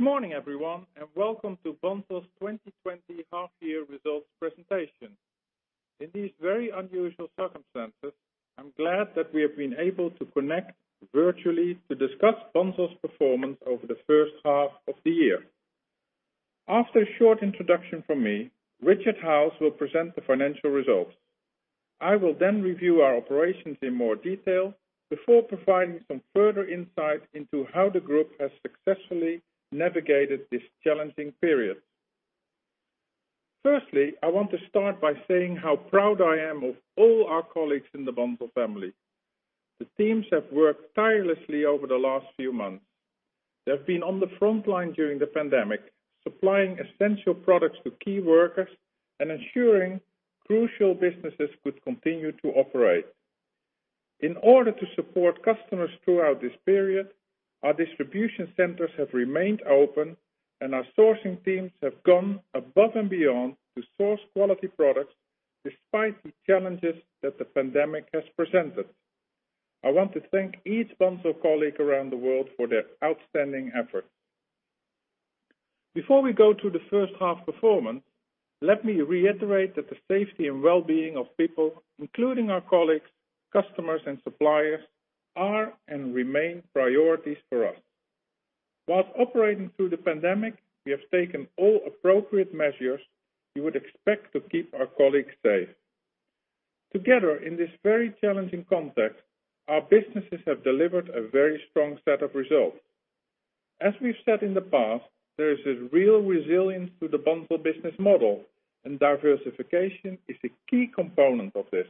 Good morning, everyone, and welcome to Bunzl's 2020 half year results presentation. In these very unusual circumstances, I'm glad that we have been able to connect virtually to discuss Bunzl's performance over the first half of the year. After a short introduction from me, Richard Howes will present the financial results. I will then review our operations in more detail before providing some further insight into how the group has successfully navigated this challenging period. Firstly, I want to start by saying how proud I am of all our colleagues in the Bunzl family. The teams have worked tirelessly over the last few months. They've been on the front line during the pandemic, supplying essential products to key workers and ensuring crucial businesses could continue to operate. In order to support customers throughout this period, our distribution centers have remained open, and our sourcing teams have gone above and beyond to source quality products despite the challenges that the pandemic has presented. I want to thank each Bunzl colleague around the world for their outstanding effort. Before we go to the first half performance, let me reiterate that the safety and well-being of people, including our colleagues, customers, and suppliers, are and remain priorities for us. Whilst operating through the pandemic, we have taken all appropriate measures you would expect to keep our colleagues safe. Together, in this very challenging context, our businesses have delivered a very strong set of results. As we've said in the past, there is a real resilience to the Bunzl business model, and diversification is a key component of this.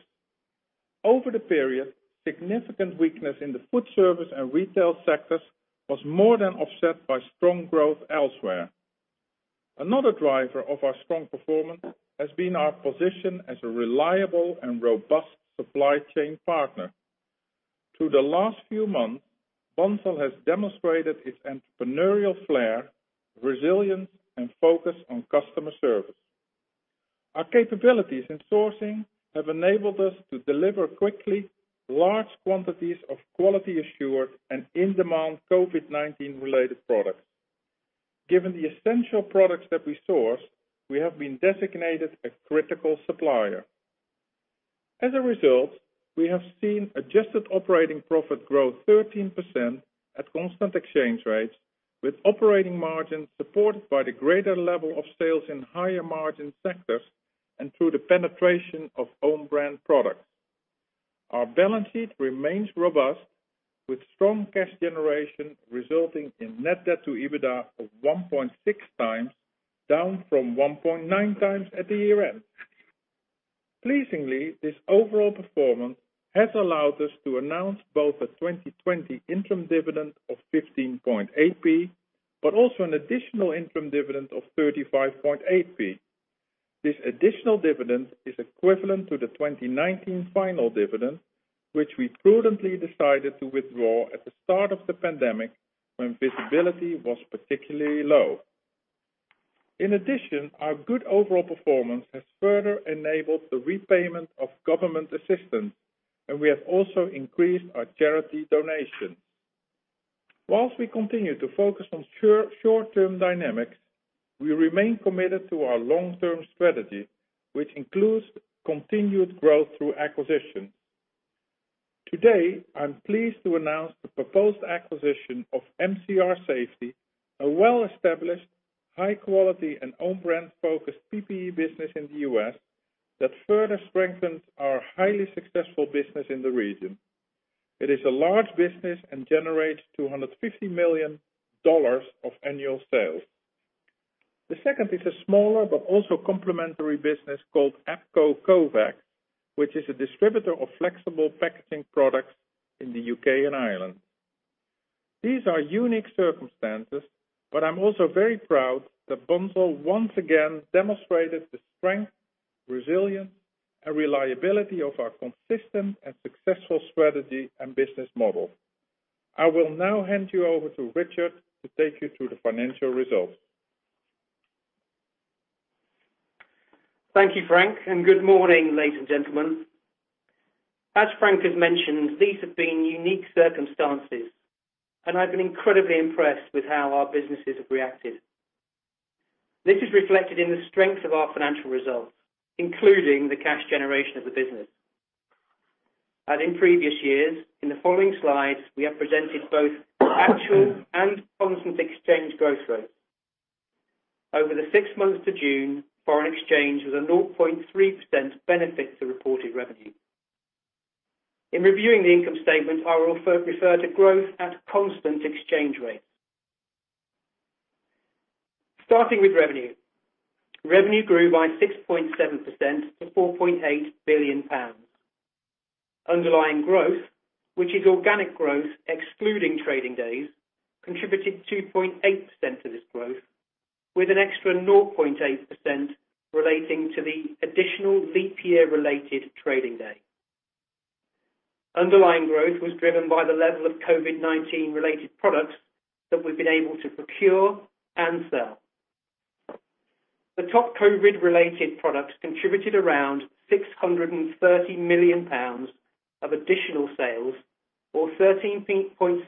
Over the period, significant weakness in the food service and retail sectors was more than offset by strong growth elsewhere. Another driver of our strong performance has been our position as a reliable and robust supply chain partner. Through the last few months, Bunzl has demonstrated its entrepreneurial flair, resilience, and focus on customer service. Our capabilities in sourcing have enabled us to deliver quickly large quantities of quality assured and in-demand COVID-19 related products. Given the essential products that we source, we have been designated a critical supplier. As a result, we have seen adjusted operating profit grow 13% at constant exchange rates, with operating margins supported by the greater level of sales in higher margin sectors and through the penetration of own brand products. Our balance sheet remains robust, with strong cash generation resulting in net debt to EBITDA of 1.6 times, down from 1.9 times at the year end. Pleasingly, this overall performance has allowed us to announce both a 2020 interim dividend of 0.158, but also an additional interim dividend of 0.358. This additional dividend is equivalent to the 2019 final dividend, which we prudently decided to withdraw at the start of the pandemic when visibility was particularly low. In addition, our good overall performance has further enabled the repayment of government assistance, and we have also increased our charity donation. Whilst we continue to focus on short-term dynamics, we remain committed to our long-term strategy, which includes continued growth through acquisitions. Today, I'm pleased to announce the proposed acquisition of MCR Safety, a well-established, high quality and own brand-focused PPE business in the U.S. that further strengthens our highly successful business in the region. It is a large business and generates $250 million of annual sales. The second is a smaller but also complementary business called Abco Kovex, which is a distributor of flexible packaging products in the U.K. and Ireland. These are unique circumstances, but I'm also very proud that Bunzl once again demonstrated the strength, resilience, and reliability of our consistent and successful strategy and business model. I will now hand you over to Richard to take you through the financial results. Thank you, Frank. Good morning, ladies and gentlemen. As Frank has mentioned, these have been unique circumstances, and I've been incredibly impressed with how our businesses have reacted. This is reflected in the strength of our financial results, including the cash generation of the business. As in previous years, in the following slides, we have presented both actual and constant exchange growth rates. Over the six months to June, foreign exchange was a 0.3% benefit to reported revenue. In reviewing the income statement, I will refer to growth at constant exchange rates. Starting with revenue. Revenue grew by 6.7% to 4.8 billion pounds. Underlying growth, which is organic growth excluding trading days, contributed 2.8% to this growth, with an extra 0.8% relating to the additional leap year related trading day. Underlying growth was driven by the level of COVID-19 related products that we've been able to procure and sell. The top COVID-related products contributed around 630 million pounds of additional sales or 13.6%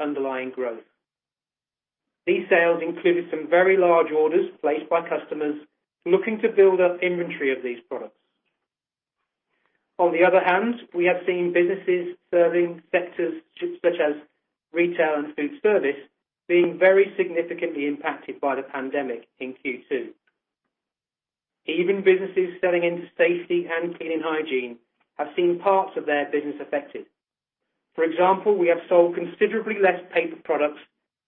underlying growth. These sales included some very large orders placed by customers looking to build up inventory of these products. On the other hand, we have seen businesses serving sectors such as retail and food service being very significantly impacted by the pandemic in Q2. Even businesses selling into safety and clean hygiene have seen parts of their business affected. For example, we have sold considerably less paper products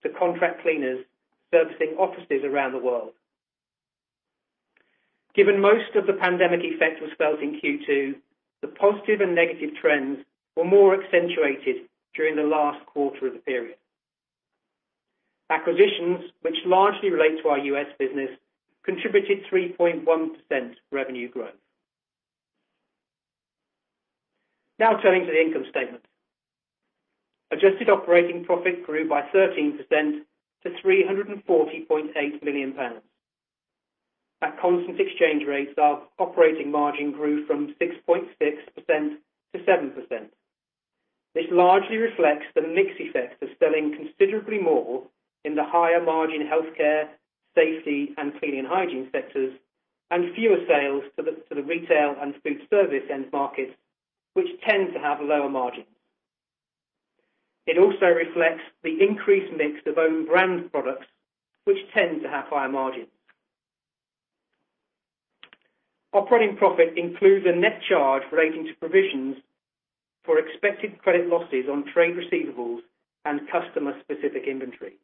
to contract cleaners servicing offices around the world. Given most of the pandemic effect was felt in Q2, the positive and negative trends were more accentuated during the last quarter of the period. Acquisitions, which largely relate to our U.S. business, contributed 3.1% revenue growth. Turning to the income statement. Adjusted operating profit grew by 13% to £340.8 million. At constant exchange rates, our operating margin grew from 6.6% to 7%. This largely reflects the mix effect of selling considerably more in the higher margin healthcare, safety, and cleaning hygiene sectors, and fewer sales to the retail and food service end markets, which tend to have lower margins. It also reflects the increased mix of own brand products, which tend to have higher margins. Operating profit includes a net charge relating to provisions for expected credit losses on trade receivables and customer-specific inventory,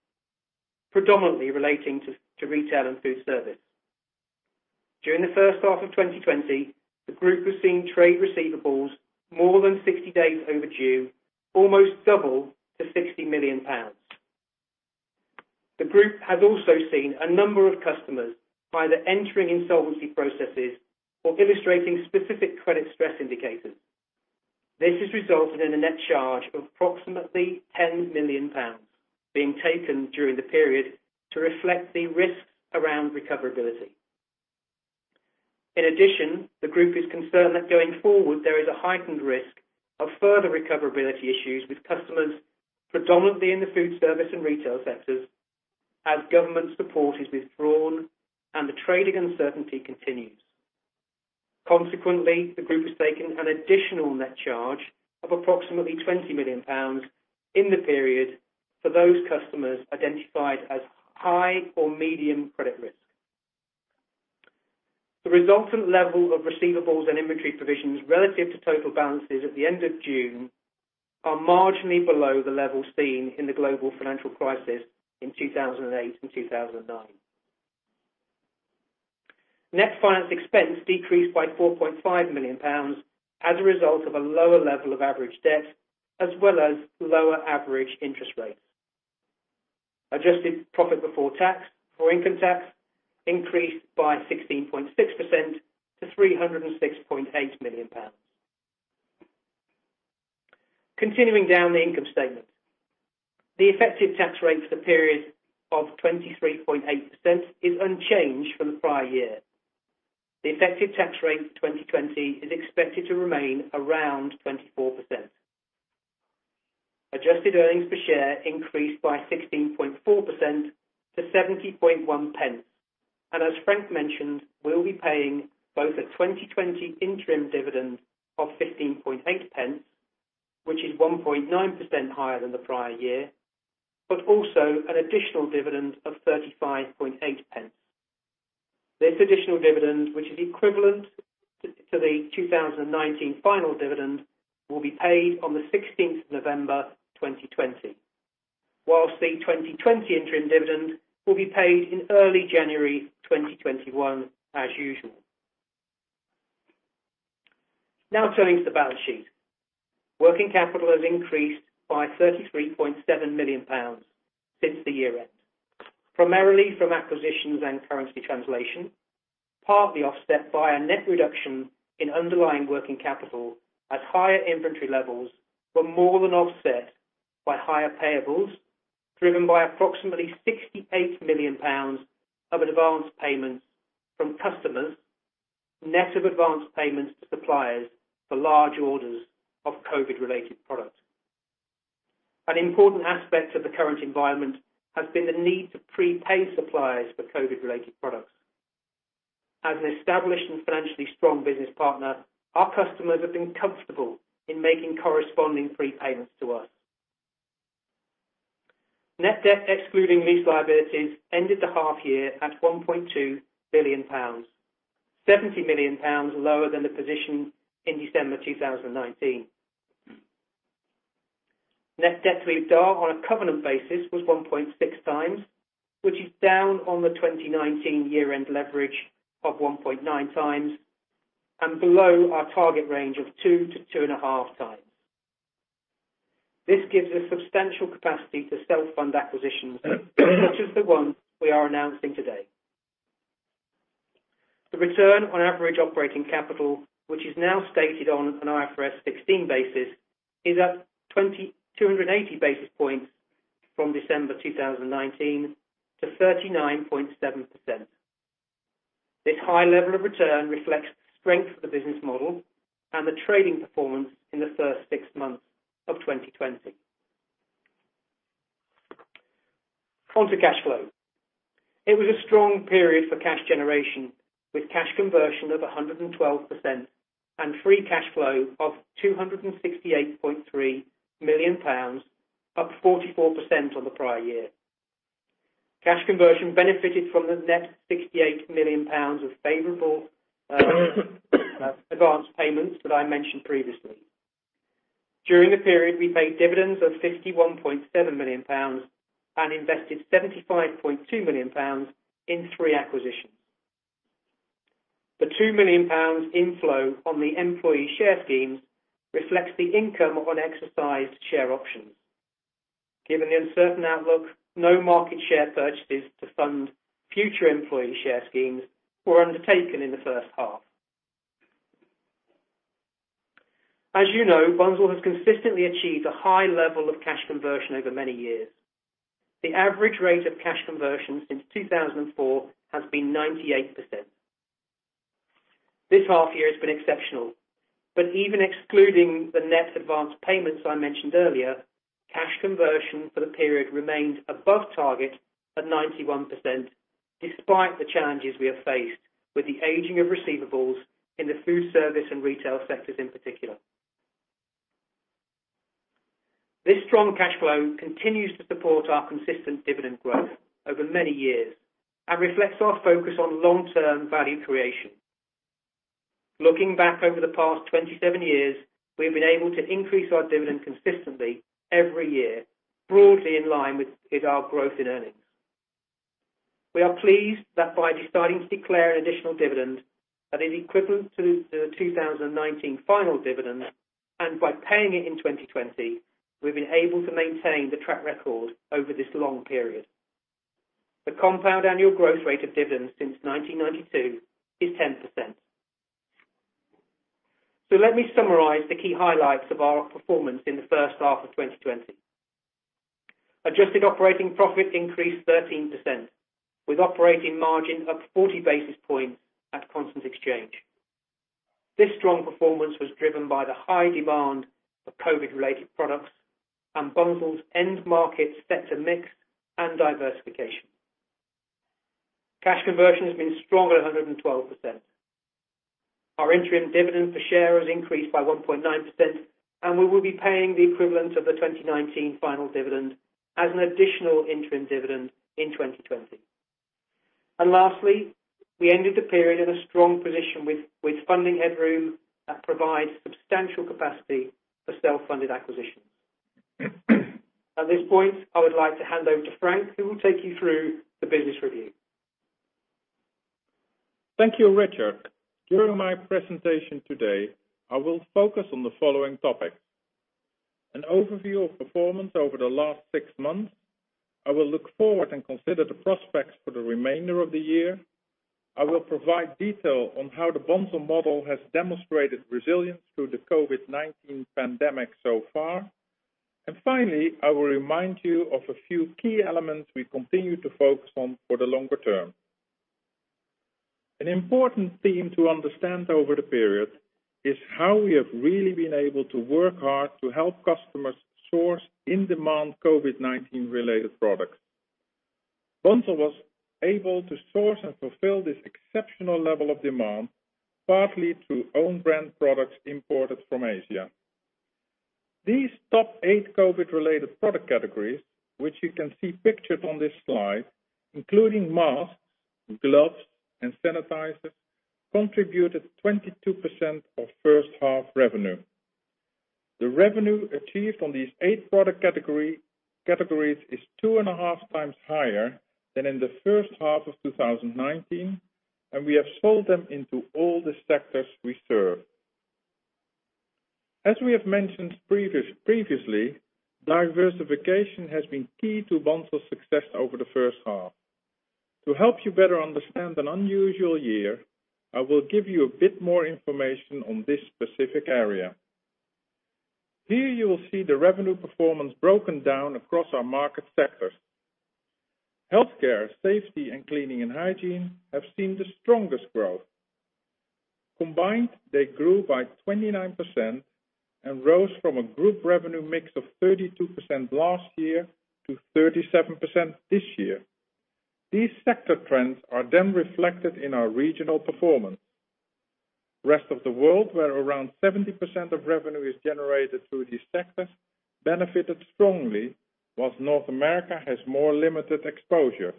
predominantly relating to retail and food service. During the first half of 2020, the group has seen trade receivables more than 60 days overdue, almost double to £60 million. The group has also seen a number of customers either entering insolvency processes or illustrating specific credit stress indicators. This has resulted in a net charge of approximately £10 million being taken during the period to reflect the risks around recoverability. In addition, the group is concerned that going forward, there is a heightened risk of further recoverability issues with customers predominantly in the food service and retail sectors as government support is withdrawn and the trading uncertainty continues. Consequently, the group has taken an additional net charge of approximately £20 million in the period for those customers identified as high or medium credit risk. The resultant level of receivables and inventory provisions relative to total balances at the end of June are marginally below the level seen in the global financial crisis in 2008 and 2009. Net finance expense decreased by £4.5 million as a result of a lower level of average debt, as well as lower average interest rates. Adjusted profit before tax or income tax increased by 16.6% to £306.8 million. Continuing down the income statement. The effective tax rate for the period of 23.8% is unchanged from the prior year. The effective tax rate for 2020 is expected to remain around 24%. Adjusted earnings per share increased by 16.4% to 0.701. As Frank mentioned, we'll be paying both a 2020 interim dividend of 0.158, which is 1.9% higher than the prior year, but also an additional dividend of 0.358. This additional dividend, which is equivalent to the 2019 final dividend, will be paid on the 16th of November 2020. Whilst the 2020 interim dividend will be paid in early January 2021 as usual. Now turning to the balance sheet. Working capital has increased by 33.7 million pounds since the year end, primarily from acquisitions and currency translation, partly offset by a net reduction in underlying working capital as higher inventory levels were more than offset by higher payables, driven by approximately GBP 68 million of advanced payments from customers, net of advanced payments to suppliers for large orders of COVID-related products. An important aspect of the current environment has been the need to pre-pay suppliers for COVID-related products. As an established and financially strong business partner, our customers have been comfortable in making corresponding prepayments to us. Net debt excluding lease liabilities ended the half year at 1.2 billion pounds, 70 million pounds lower than the position in December 2019. Net debt to EBITDA on a covenant basis was 1.6 times, which is down on the 2019 year-end leverage of 1.9 times, and below our target range of 2 to 2.5 times. This gives us substantial capacity to self-fund acquisitions such as the one we are announcing today. The return on average operating capital, which is now stated on an IFRS 16 basis, is up 280 basis points from December 2019 to 39.7%. This high level of return reflects the strength of the business model and the trading performance in the first six months of 2020. Onto cash flow. It was a strong period for cash generation, with cash conversion of 112% and free cash flow of 268.3 million pounds, up 44% on the prior year. Cash conversion benefited from the net 68 million pounds of favorable advanced payments that I mentioned previously. During the period, we paid dividends of GBP 51.7 million and invested GBP 75.2 million in three acquisitions. The GBP 2 million in flow on the employee share schemes reflects the income on exercised share options. Given the uncertain outlook, no market share purchases to fund future employee share schemes were undertaken in the first half. As Bunzl has consistently achieved a high level of cash conversion over many years. The average rate of cash conversion since 2004 has been 98%. This half year has been exceptional, but even excluding the net advanced payments I mentioned earlier, cash conversion for the period remained above target at 91%, despite the challenges we have faced with the aging of receivables in the food service and retail sectors in particular. This strong cash flow continues to support our consistent dividend growth over many years and reflects our focus on long-term value creation. Looking back over the past 27 years, we've been able to increase our dividend consistently every year, broadly in line with our growth in earnings. We are pleased that by deciding to declare an additional dividend that is equivalent to the 2019 final dividend, and by paying it in 2020, we've been able to maintain the track record over this long period. The compound annual growth rate of dividends since 1992 is 10%. Let me summarize the key highlights of our performance in the first half of 2020. Adjusted operating profit increased 13%, with operating margin up 40 basis points at constant exchange. This strong performance was driven by the high demand for COVID-related products and Bunzl's end market sector mix and diversification. Cash conversion has been strong at 112%. Our interim dividend per share has increased by 1.9%, we will be paying the equivalent of the 2019 final dividend as an additional interim dividend in 2020. Lastly, we ended the period in a strong position with funding headroom that provides substantial capacity for self-funded acquisitions. At this point, I would like to hand over to Frank, who will take you through the business review. Thank you, Richard. During my presentation today, I will focus on the following topics: An overview of performance over the last six months, I will look forward and consider the prospects for the remainder of the year, I will provide detail on how the Bunzl model has demonstrated resilience through the COVID-19 pandemic so far, and finally, I will remind you of a few key elements we continue to focus on for the longer term. An important theme to understand over the period is how we have really been able to work hard to help customers source in-demand COVID-19 related products. Bunzl was able to source and fulfill this exceptional level of demand, partly through own-brand products imported from Asia. These top eight COVID-related product categories, which you can see pictured on this slide, including masks, gloves, and sanitizers, contributed 22% of first half revenue. The revenue achieved on these eight product categories is two and a half times higher than in the first half of 2019, and we have sold them into all the sectors we serve. As we have mentioned previously, diversification has been key to Bunzl's success over the first half. To help you better understand an unusual year, I will give you a bit more information on this specific area. Here, you will see the revenue performance broken down across our market sectors. Healthcare, safety, and cleaning and hygiene have seen the strongest growth. Combined, they grew by 29% and rose from a group revenue mix of 32% last year to 37% this year. These sector trends are then reflected in our regional performance. Rest of the world, where around 70% of revenue is generated through these sectors, benefited strongly, whilst North America has more limited exposure.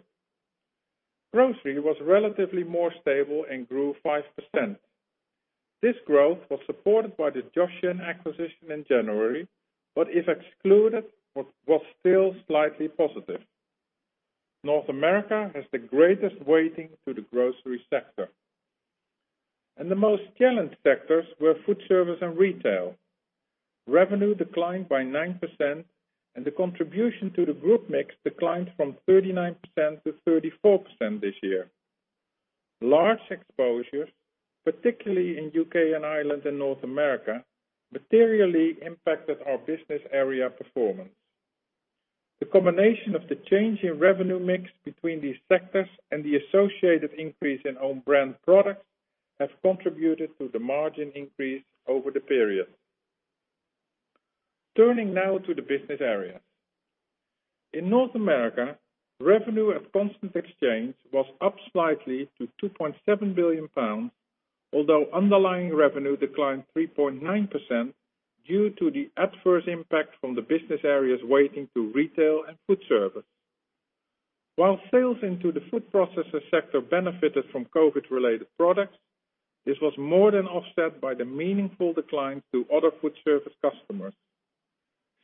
Grocery was relatively more stable and grew 5%. This growth was supported by the Joshen acquisition in January, but if excluded, was still slightly positive. North America has the greatest weighting to the grocery sector. The most challenged sectors were food service and retail. Revenue declined by 9%, and the contribution to the group mix declined from 39% to 34% this year. Large exposures, particularly in U.K. and Ireland and North America, materially impacted our business area performance. The combination of the change in revenue mix between these sectors and the associated increase in own brand products have contributed to the margin increase over the period. Turning now to the business areas. In North America, revenue at constant exchange was up slightly to £2.7 billion, although underlying revenue declined 3.9% due to the adverse impact from the business areas weighting to retail and food service. While sales into the food processor sector benefited from COVID-related products, this was more than offset by the meaningful decline to other food service customers.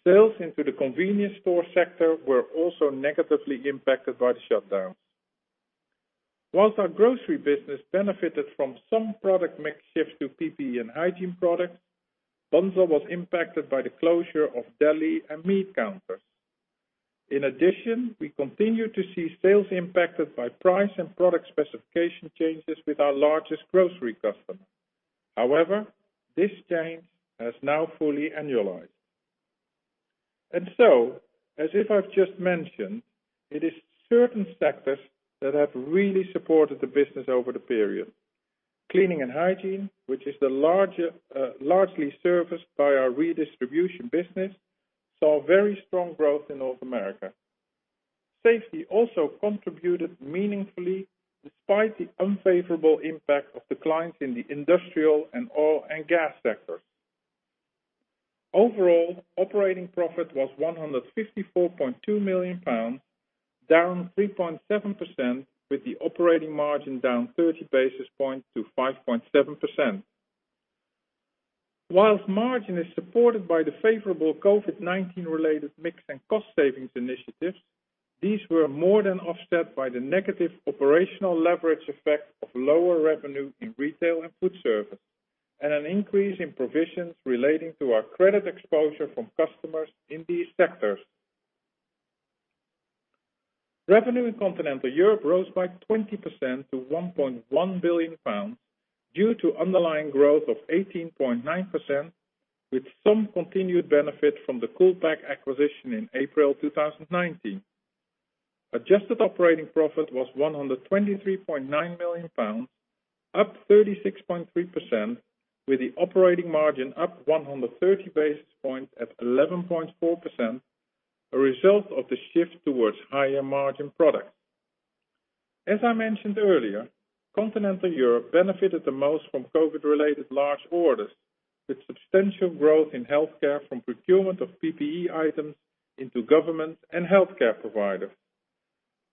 Sales into the convenience store sector were also negatively impacted by the shutdowns. Whilst our grocery business benefited from some product mix shifts to PPE and hygiene products, Bunzl was impacted by the closure of deli and meat counters. In addition, we continue to see sales impacted by price and product specification changes with our largest grocery customer. However, this change has now fully annualized. As if I've just mentioned, it is certain sectors that have really supported the business over the period. Cleaning and hygiene, which is largely serviced by our redistribution business, saw very strong growth in North America. Safety also contributed meaningfully despite the unfavorable impact of declines in the industrial and oil and gas sectors. Overall, operating profit was 154.2 million pounds, down 3.7%, with the operating margin down 30 basis points to 5.7%. Whilst margin is supported by the favorable COVID-19 related mix and cost savings initiatives, these were more than offset by the negative operational leverage effect of lower revenue in retail and food service, and an increase in provisions relating to our credit exposure from customers in these sectors. Revenue in continental Europe rose by 20% to 1.1 billion pounds due to underlying growth of 18.9%, with some continued benefit from the Coolpack acquisition in April 2019. Adjusted operating profit was 123.9 million pounds, up 36.3%, with the operating margin up 130 basis points at 11.4%, a result of the shift towards higher margin products. As I mentioned earlier, continental Europe benefited the most from COVID-related large orders, with substantial growth in healthcare from procurement of PPE items into government and healthcare providers.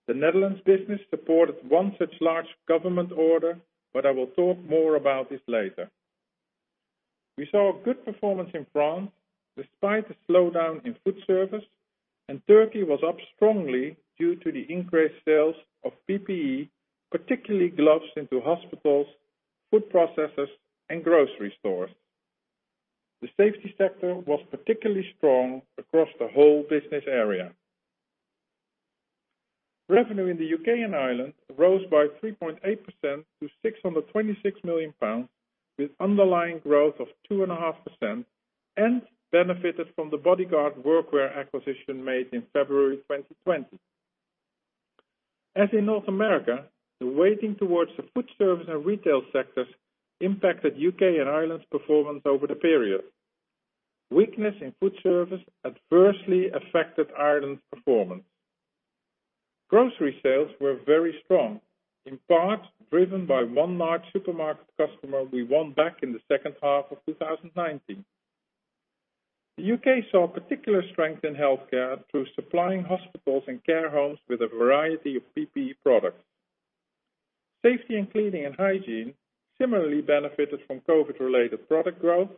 The Netherlands business supported one such large government order, but I will talk more about this later. We saw a good performance in France despite the slowdown in food service, and Turkey was up strongly due to the increased sales of PPE, particularly gloves into hospitals, food processors, and grocery stores. The safety sector was particularly strong across the whole business area. Revenue in the U.K. and Ireland rose by 3.8% to 626 million pounds, with underlying growth of 2.5%, and benefited from the Bodyguard Workwear acquisition made in February 2020. As in North America, the weighting towards the food service and retail sectors impacted U.K. and Ireland's performance over the period. Weakness in food service adversely affected Ireland's performance. Grocery sales were very strong, in part driven by one large supermarket customer we won back in the second half of 2019. The U.K. saw particular strength in healthcare through supplying hospitals and care homes with a variety of PPE products. Safety and cleaning and hygiene similarly benefited from COVID-19-related product growth,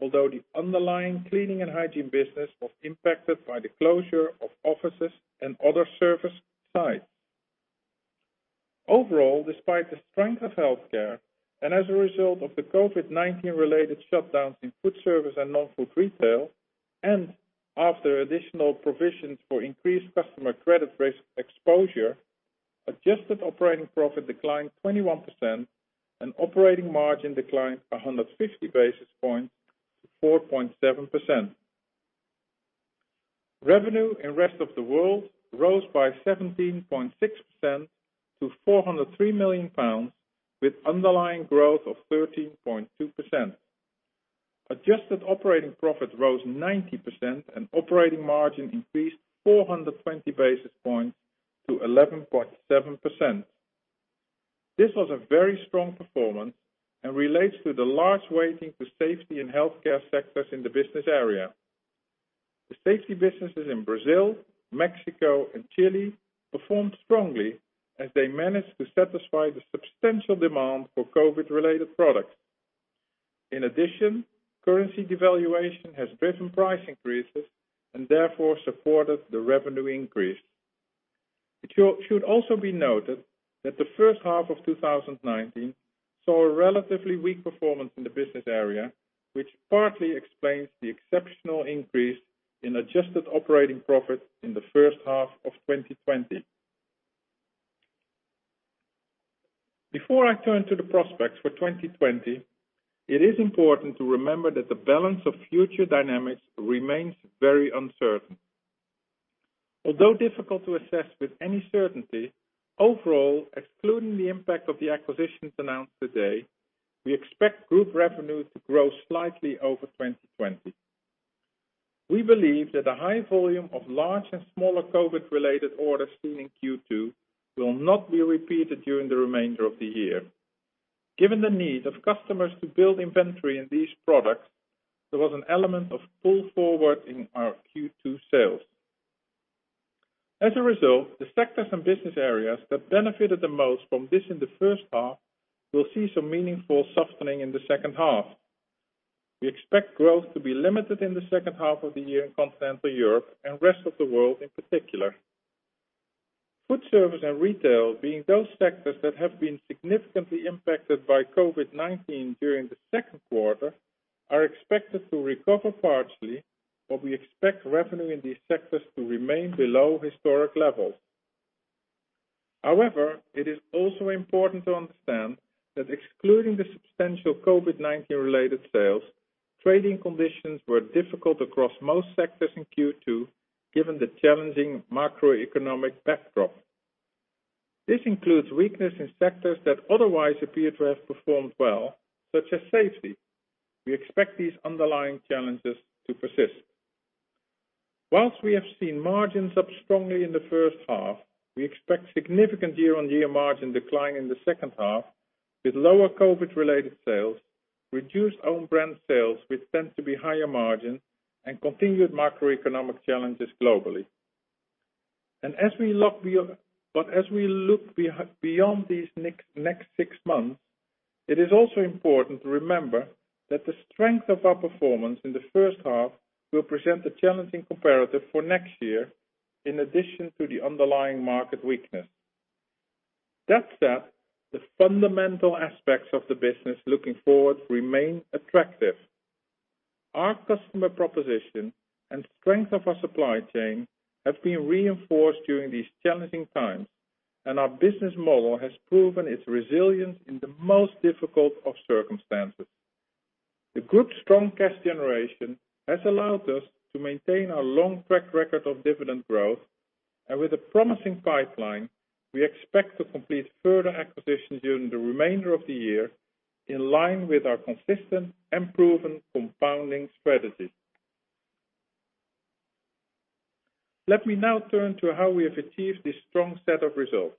although the underlying cleaning and hygiene business was impacted by the closure of offices and other service sites. Overall, despite the strength of healthcare and as a result of the COVID-19-related shutdowns in food service and non-food retail, and after additional provisions for increased customer credit risk exposure, adjusted operating profit declined 21% and operating margin declined 150 basis points to 4.7%. Revenue in rest of the world rose by 17.6% to 403 million pounds, with underlying growth of 13.2%. Adjusted operating profit rose 90% and operating margin increased 420 basis points to 11.7%. This was a very strong performance and relates to the large weighting to safety and healthcare sectors in the business area. The safety businesses in Brazil, Mexico, and Chile performed strongly as they managed to satisfy the substantial demand for COVID-related products. In addition, currency devaluation has driven price increases and therefore supported the revenue increase. It should also be noted that the first half of 2019 saw a relatively weak performance in the business area, which partly explains the exceptional increase in adjusted operating profit in the first half of 2020. Before I turn to the prospects for 2020, it is important to remember that the balance of future dynamics remains very uncertain. Although difficult to assess with any certainty, overall, excluding the impact of the acquisitions announced today, we expect group revenues to grow slightly over 2020. We believe that the high volume of large and smaller COVID-related orders seen in Q2 will not be repeated during the remainder of the year. Given the need of customers to build inventory in these products, there was an element of pull forward in our Q2 sales. As a result, the sectors and business areas that benefited the most from this in the first half will see some meaningful softening in the second half. We expect growth to be limited in the second half of the year in continental Europe and rest of the world in particular. Food service and retail, being those sectors that have been significantly impacted by COVID-19 during Q2, are expected to recover partially, but we expect revenue in these sectors to remain below historic levels. However, it is also important to understand that excluding the substantial COVID-19 related sales, trading conditions were difficult across most sectors in Q2, given the challenging macroeconomic backdrop. This includes weakness in sectors that otherwise appear to have performed well, such as safety. We expect these underlying challenges to persist. Whilst we have seen margins up strongly in the first half, we expect significant year-on-year margin decline in the second half with lower COVID-19 related sales, reduced own brand sales, which tend to be higher margin, and continued macroeconomic challenges globally. As we look beyond these next six months, it is also important to remember that the strength of our performance in the first half will present a challenging comparative for next year in addition to the underlying market weakness. That said, the fundamental aspects of the business looking forward remain attractive. Our customer proposition and strength of our supply chain have been reinforced during these challenging times, and our business model has proven its resilience in the most difficult of circumstances. The group's strong cash generation has allowed us to maintain our long track record of dividend growth, and with a promising pipeline, we expect to complete further acquisitions during the remainder of the year, in line with our consistent and proven compounding strategy. Let me now turn to how we have achieved this strong set of results.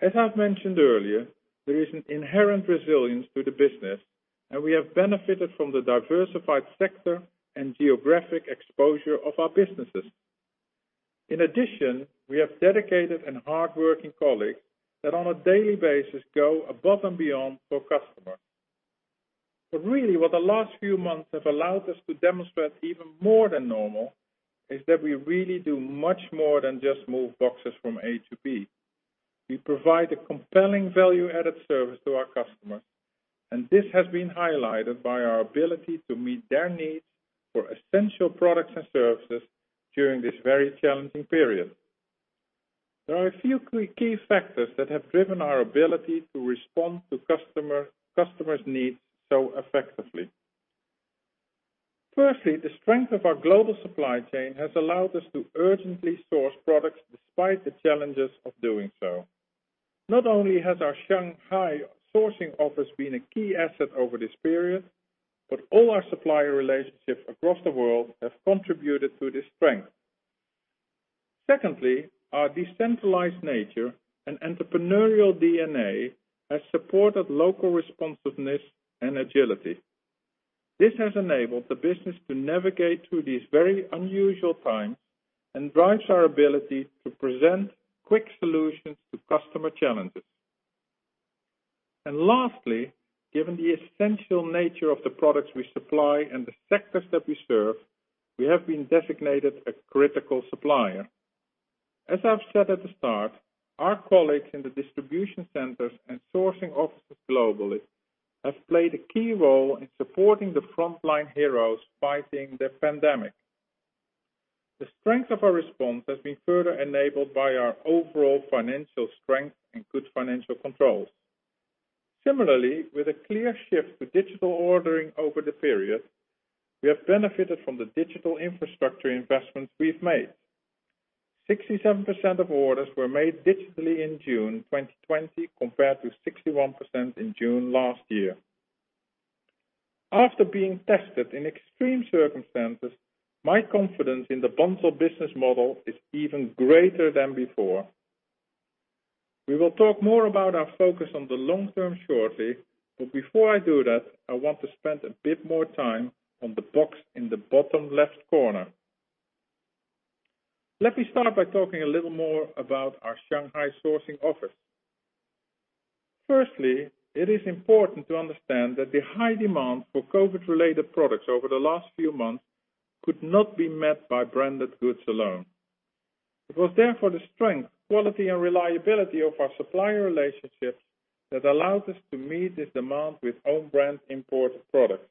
As I've mentioned earlier, there is an inherent resilience to the business, and we have benefited from the diversified sector and geographic exposure of our businesses. In addition, we have dedicated and hardworking colleagues that on a daily basis go above and beyond for customers. Really, what the last few months have allowed us to demonstrate even more than normal is that we really do much more than just move boxes from A to B. We provide a compelling value-added service to our customers, and this has been highlighted by our ability to meet their needs for essential products and services during this very challenging period. There are a few key factors that have driven our ability to respond to customers' needs so effectively. Firstly, the strength of our global supply chain has allowed us to urgently source products despite the challenges of doing so. Not only has our Shanghai sourcing office been a key asset over this period, but all our supplier relationships across the world have contributed to this strength. Secondly, our decentralized nature and entrepreneurial DNA has supported local responsiveness and agility. This has enabled the business to navigate through these very unusual times and drives our ability to present quick solutions to customer challenges. Lastly, given the essential nature of the products we supply and the sectors that we serve, we have been designated a critical supplier. As I've said at the start, our colleagues in the distribution centers and sourcing offices globally have played a key role in supporting the frontline heroes fighting the pandemic. The strength of our response has been further enabled by our overall financial strength and good financial controls. Similarly, with a clear shift to digital ordering over the period, we have benefited from the digital infrastructure investments we've made. 67% of orders were made digitally in June 2020, compared to 61% in June last year. After being tested in extreme circumstances, my confidence in the Bunzl business model is even greater than before. We will talk more about our focus on the long term shortly, but before I do that, I want to spend a bit more time on the box in the bottom left corner. Let me start by talking a little more about our Shanghai sourcing office. Firstly, it is important to understand that the high demand for COVID-19 related products over the last few months could not be met by branded goods alone. It was therefore the strength, quality, and reliability of our supplier relationships that allowed us to meet this demand with own brand imported products.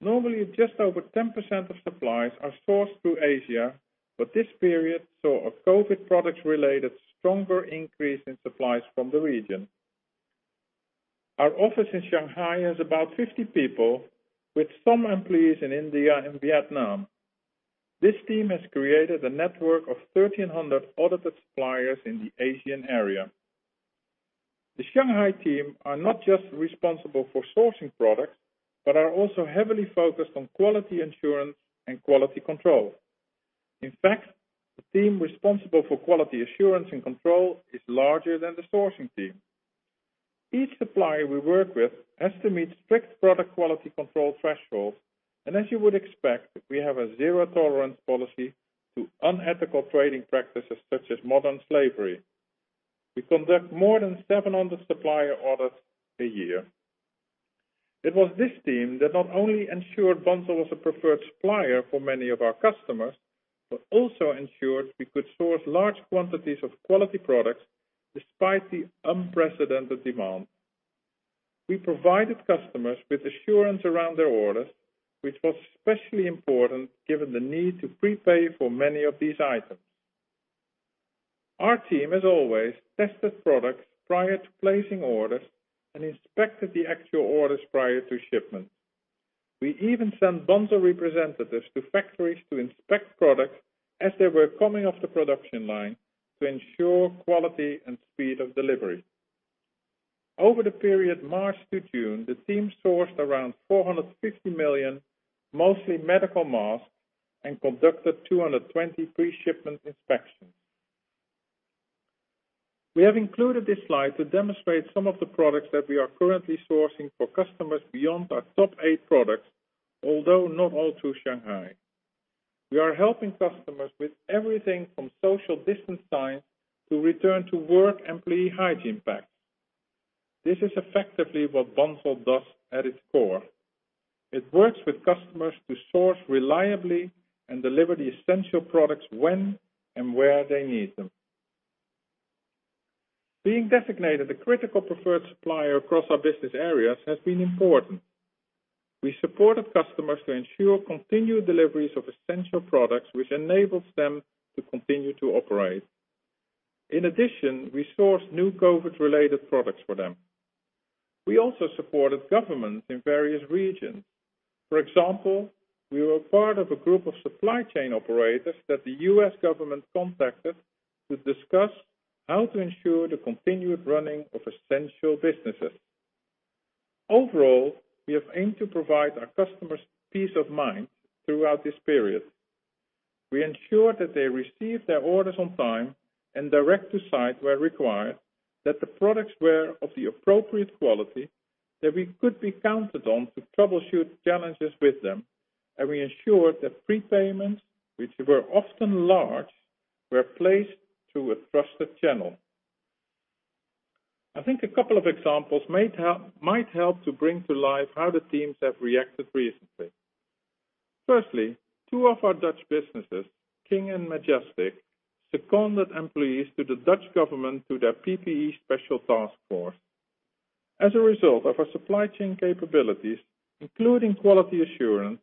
Normally, just over 10% of supplies are sourced through Asia, but this period saw a COVID-19 product-related stronger increase in supplies from the region. Our office in Shanghai has about 50 people, with some employees in India and Vietnam. This team has created a network of 1,300 audited suppliers in the Asian area. The Shanghai team are not just responsible for sourcing products, but are also heavily focused on quality assurance and quality control. In fact, the team responsible for quality assurance and control is larger than the sourcing team. Each supplier we work with has to meet strict product quality control thresholds, and as you would expect, we have a zero-tolerance policy to unethical trading practices such as modern slavery. We conduct more than 700 supplier audits a year. It was this team that not only ensured Bunzl was a preferred supplier for many of our customers, but also ensured we could source large quantities of quality products despite the unprecedented demand. We provided customers with assurance around their orders, which was especially important given the need to prepay for many of these items. Our team has always tested products prior to placing orders and inspected the actual orders prior to shipment. We even sent Bunzl representatives to factories to inspect products as they were coming off the production line to ensure quality and speed of delivery. Over the period March to June, the team sourced around 450 million, mostly medical masks and conducted 223 shipment inspections. We have included this slide to demonstrate some of the products that we are currently sourcing for customers beyond our top eight products, although not all through Shanghai. We are helping customers with everything from social distance signs to return-to-work employee hygiene packs. This is effectively what Bunzl does at its core. It works with customers to source reliably and deliver the essential products when and where they need them. Being designated a critical preferred supplier across our business areas has been important. We supported customers to ensure continued deliveries of essential products, which enables them to continue to operate. In addition, we sourced new COVID-related products for them. We also supported governments in various regions. For example, we were part of a group of supply chain operators that the U.S. government contacted to discuss how to ensure the continued running of essential businesses. Overall, we have aimed to provide our customers peace of mind throughout this period. We ensured that they received their orders on time and direct to site where required, that the products were of the appropriate quality, that we could be counted on to troubleshoot challenges with them, and we ensured that prepayments, which were often large, were placed through a trusted channel. I think a couple of examples might help to bring to life how the teams have reacted recently. Firstly, two of our Dutch businesses, King and Majestic, seconded employees to the Dutch government through their PPE special task force. As a result of our supply chain capabilities, including quality assurance,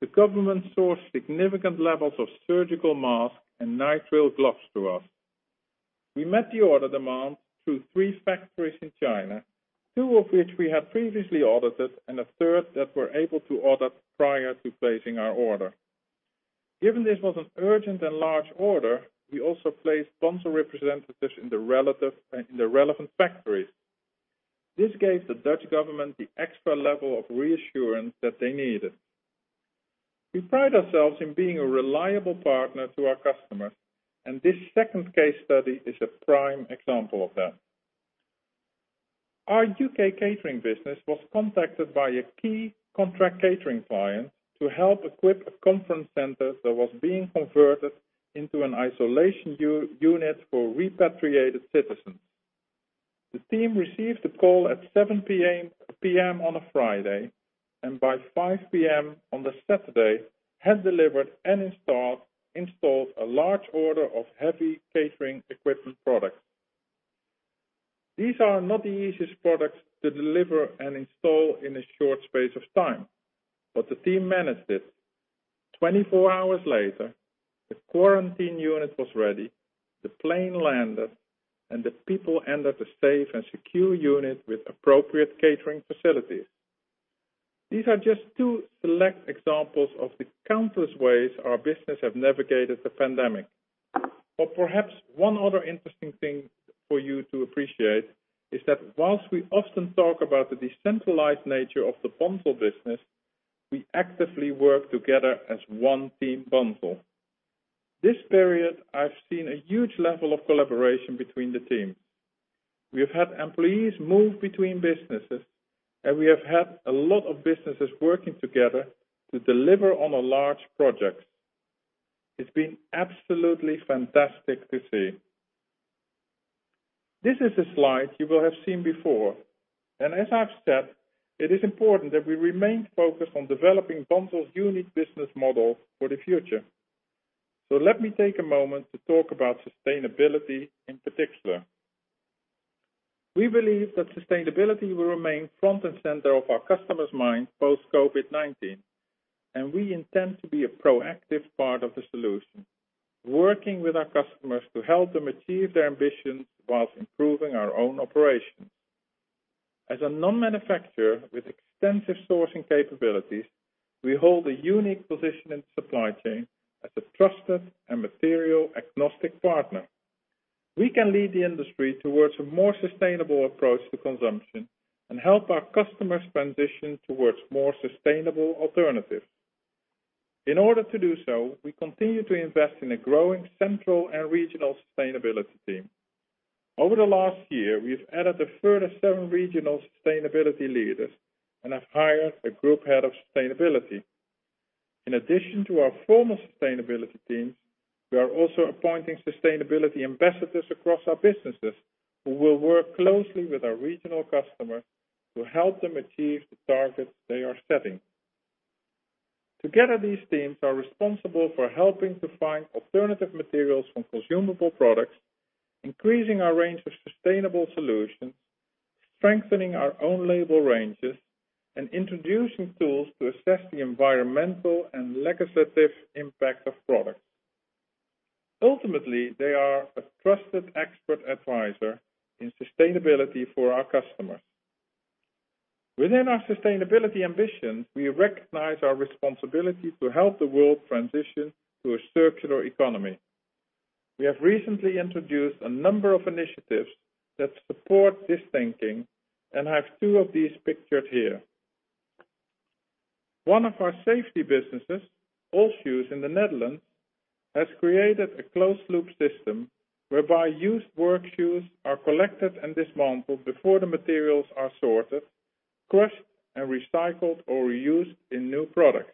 the government sourced significant levels of surgical masks and nitrile gloves through us. We met the order demand through three factories in China, two of which we had previously audited and a third that were able to audit prior to placing our order. Given this was an urgent and large order, we also placed Bunzl representatives in the relevant factories. This gave the Dutch government the extra level of reassurance that they needed. This second case study is a prime example of that. Our U.K. catering business was contacted by a key contract catering client to help equip a conference center that was being converted into an isolation unit for repatriated citizens. The team received the call at 7:00 P.M. on a Friday, and by 5:00 P.M. on the Saturday, had delivered and installed a large order of heavy catering equipment products. These are not the easiest products to deliver and install in a short space of time, but the team managed it. 24 hours later, the quarantine unit was ready, the plane landed, and the people entered the safe and secure unit with appropriate catering facilities. These are just two select examples of the countless ways our business have navigated the pandemic. Perhaps one other interesting thing for you to appreciate is that whilst we often talk about the decentralized nature of the Bunzl business, we actively work together as one team Bunzl. This period, I've seen a huge level of collaboration between the teams. We have had employees move between businesses, and we have had a lot of businesses working together to deliver on a large project. It's been absolutely fantastic to see. This is a slide you will have seen before, and as I've said, it is important that we remain focused on developing Bunzl's unique business model for the future. Let me take a moment to talk about sustainability in particular. We believe that sustainability will remain front and center of our customers' minds post-COVID-19, and we intend to be a proactive part of the solution, working with our customers to help them achieve their ambitions whilst improving our own operations. As a non-manufacturer with extensive sourcing capabilities, we hold a unique position in supply chain as a trusted and material agnostic partner. We can lead the industry towards a more sustainable approach to consumption and help our customers transition towards more sustainable alternatives. In order to do so, we continue to invest in a growing central and regional sustainability team. Over the last year, we have added a further seven regional sustainability leaders and have hired a group head of sustainability. In addition to our formal sustainability teams, we are also appointing sustainability ambassadors across our businesses who will work closely with our regional customers to help them achieve the targets they are setting. Together, these teams are responsible for helping to find alternative materials from consumable products, increasing our range of sustainable solutions, strengthening our own label ranges, and introducing tools to assess the environmental and legislative impact of products. Ultimately, they are a trusted expert advisor in sustainability for our customers. Within our sustainability ambition, we recognize our responsibility to help the world transition to a circular economy. We have recently introduced a number of initiatives that support this thinking and have two of these pictured here. One of our safety businesses, Allshoes in the Netherlands, has created a closed loop system whereby used work shoes are collected and dismantled before the materials are sorted, crushed, and recycled or reused in new products.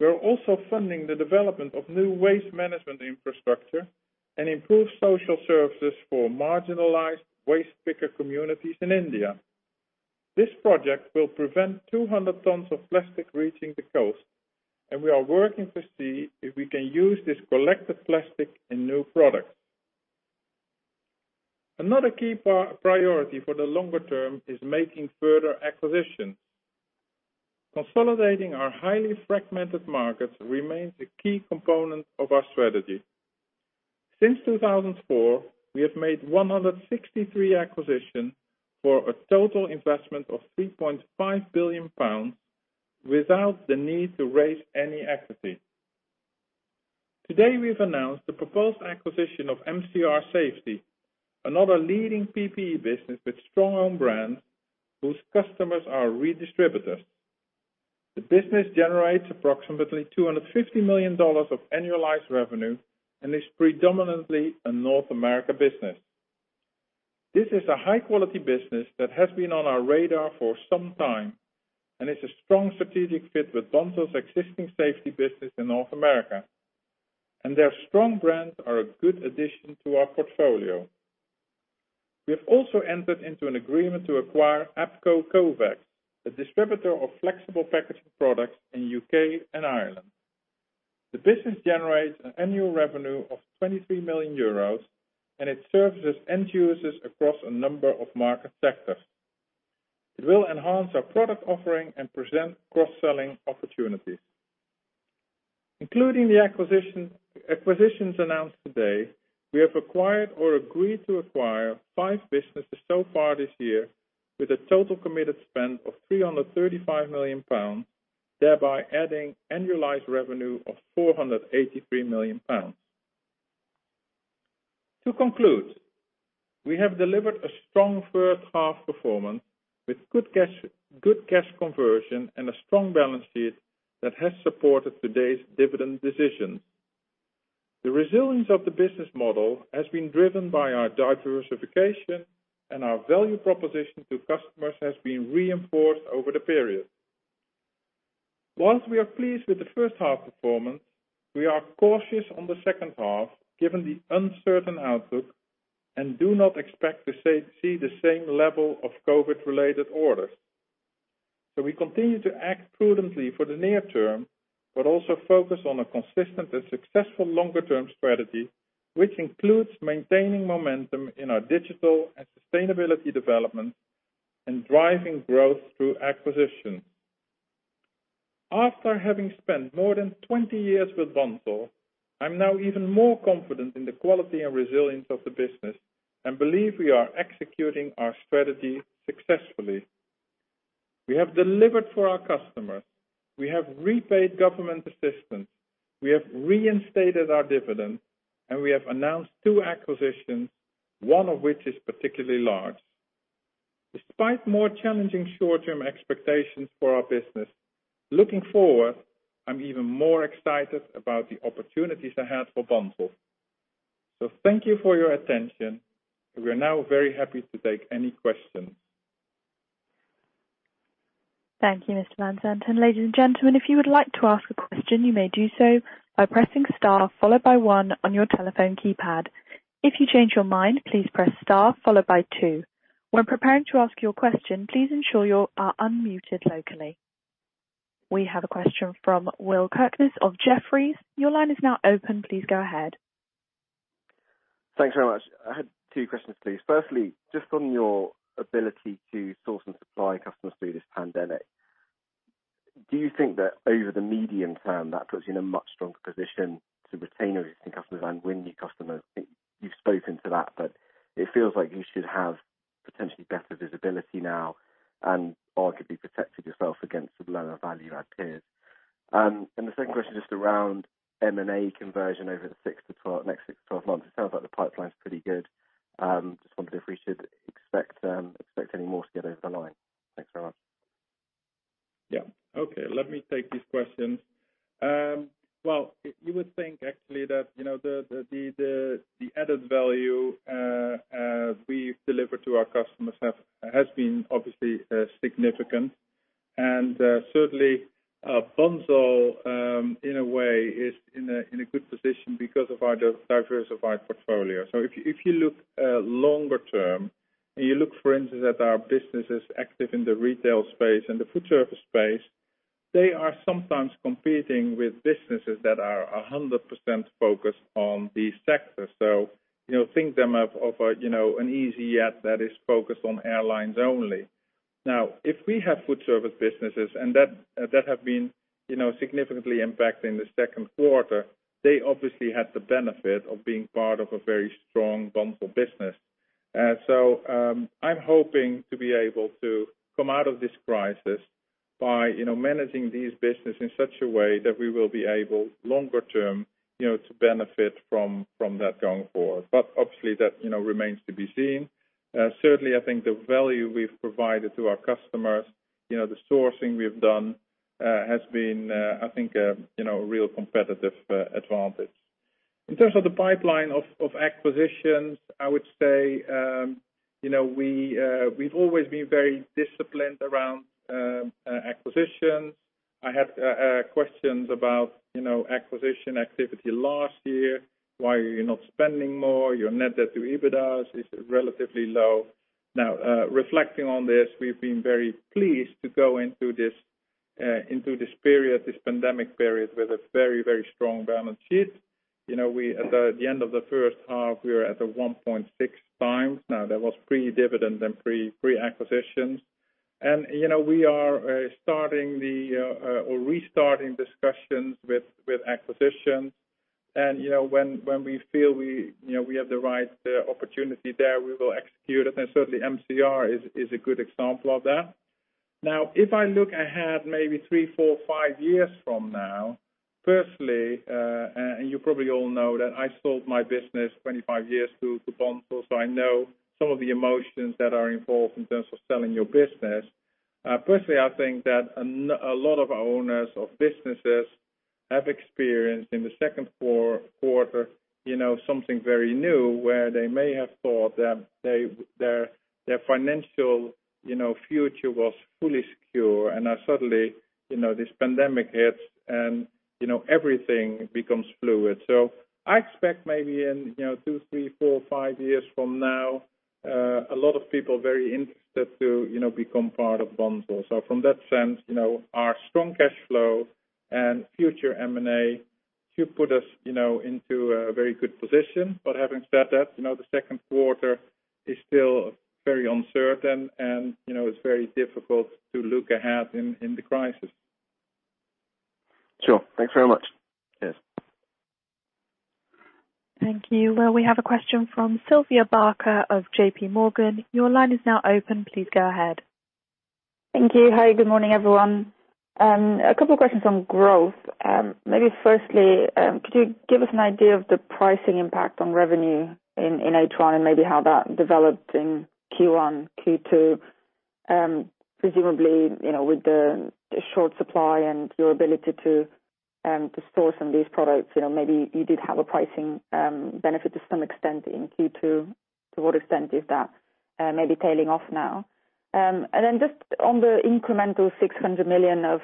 We are also funding the development of new waste management infrastructure and improve social services for marginalized waste picker communities in India. This project will prevent 200 tons of plastic reaching the coast, and we are working to see if we can use this collected plastic in new products. Another key priority for the longer term is making further acquisitions. Consolidating our highly fragmented markets remains a key component of our strategy. Since 2004, we have made 163 acquisitions for a total investment of 3.5 billion pounds without the need to raise any equity. Today, we've announced the proposed acquisition of MCR Safety, another leading PPE business with strong own brands whose customers are redistributors. The business generates approximately $250 million of annualized revenue and is predominantly a North America business. This is a high-quality business that has been on our radar for some time and is a strong strategic fit with Bunzl's existing safety business in North America. Their strong brands are a good addition to our portfolio. We have also entered into an agreement to acquire Abco Kovex, a distributor of flexible packaging products in U.K. and Ireland. The business generates an annual revenue of 23 million euros. It services end users across a number of market sectors. It will enhance our product offering and present cross-selling opportunities. Including the acquisitions announced today, we have acquired or agreed to acquire five businesses so far this year with a total committed spend of 335 million pounds, thereby adding annualized revenue of 483 million pounds. To conclude, we have delivered a strong first half performance with good cash conversion and a strong balance sheet that has supported today's dividend decisions. The resilience of the business model has been driven by our diversification, and our value proposition to customers has been reinforced over the period. Whilst we are pleased with the first half performance, we are cautious on the second half given the uncertain outlook and do not expect to see the same level of COVID-related orders. We continue to act prudently for the near term, but also focus on a consistent and successful longer term strategy, which includes maintaining momentum in our digital and sustainability development and driving growth through acquisition. After having spent more than 20 years with Bunzl, I'm now even more confident in the quality and resilience of the business and believe we are executing our strategy successfully. We have delivered for our customers, we have repaid government assistance, we have reinstated our dividend, and we have announced two acquisitions, one of which is particularly large. Despite more challenging short-term expectations for our business, looking forward, I'm even more excited about the opportunities ahead for Bunzl. Thank you for your attention. We are now very happy to take any questions Thank you, Mr. Van Zanten. Ladies and gentlemen, if you would like to ask a question, you may do so by pressing star, followed by one on your telephone keypad. If you change your mind, please press star followed by two. When preparing to ask your question, please ensure you are unmuted locally. We have a question from Will Kirkness of Jefferies. Your line is now open. Please go ahead. Thanks very much. I had two questions, please. Firstly, just on your ability to source and supply customers through this pandemic, do you think that over the medium term, that puts you in a much stronger position to retain existing customers and win new customers? You've spoken to that, but it feels like you should have potentially better visibility now and arguably protected yourself against lower value peers. The second question, just around M&A conversion over the next six to 12 months. It sounds like the pipeline's pretty good. Just wondered if we should expect any more to get over the line. Thanks very much. Okay. Let me take these questions. Well, you would think actually that, the added value we deliver to our customers has been obviously significant. Certainly, Bunzl, in a way, is in a good position because of our diversified portfolio. If you look longer term and you look, for instance, at our businesses active in the retail space and the food service space, they are sometimes competing with businesses that are 100% focused on these sectors. Think of an easyJet that is focused on airlines only. If we have food service businesses, and that have been significantly impacted in Q2, they obviously had the benefit of being part of a very strong Bunzl business. I'm hoping to be able to come out of this crisis by managing these businesses in such a way that we will be able, longer term, to benefit from that going forward. Obviously that remains to be seen. Certainly, I think the value we've provided to our customers, the sourcing we have done, has been, I think, a real competitive advantage. In terms of the pipeline of acquisitions, I would say, we've always been very disciplined around acquisitions. I had questions about acquisition activity last year. Why are you not spending more? Your net debt to EBITDA is relatively low. Reflecting on this, we've been very pleased to go into this period, this pandemic period, with a very, very strong balance sheet. At the end of the first half, we were at a 1.6x. That was pre-dividend and pre-acquisitions. We are restarting discussions with acquisitions. When we feel we have the right opportunity there, we will execute it, and certainly MCR is a good example of that. If I look ahead, maybe three, four, five years from now, firstly, and you probably all know that I sold my business 25 years to Bunzl, so I know some of the emotions that are involved in terms of selling your business. Firstly, I think that a lot of our owners of businesses have experienced in Q2 something very new, where they may have thought their financial future was fully secure, and now suddenly, this pandemic hits and everything becomes fluid. I expect maybe in two, three, four, five years from now, a lot of people very interested to become part of Bunzl. From that sense, our strong cash flow and future M&A should put us into a very good position. Having said that, Q2 is still very uncertain and it is very difficult to look ahead in the crisis. Sure. Thanks very much. Cheers. Thank you. Well, we have a question from Sylvia Barker of JPMorgan. Your line is now open. Please go ahead. Thank you. Hi, good morning, everyone. A couple of questions on growth. Maybe firstly, could you give us an idea of the pricing impact on revenue in H1 and maybe how that developed in Q1, Q2? Presumably, with the short supply and your ability to source some of these products, maybe you did have a pricing benefit to some extent in Q2. To what extent is that maybe tailing off now? Then just on the incremental 600 million of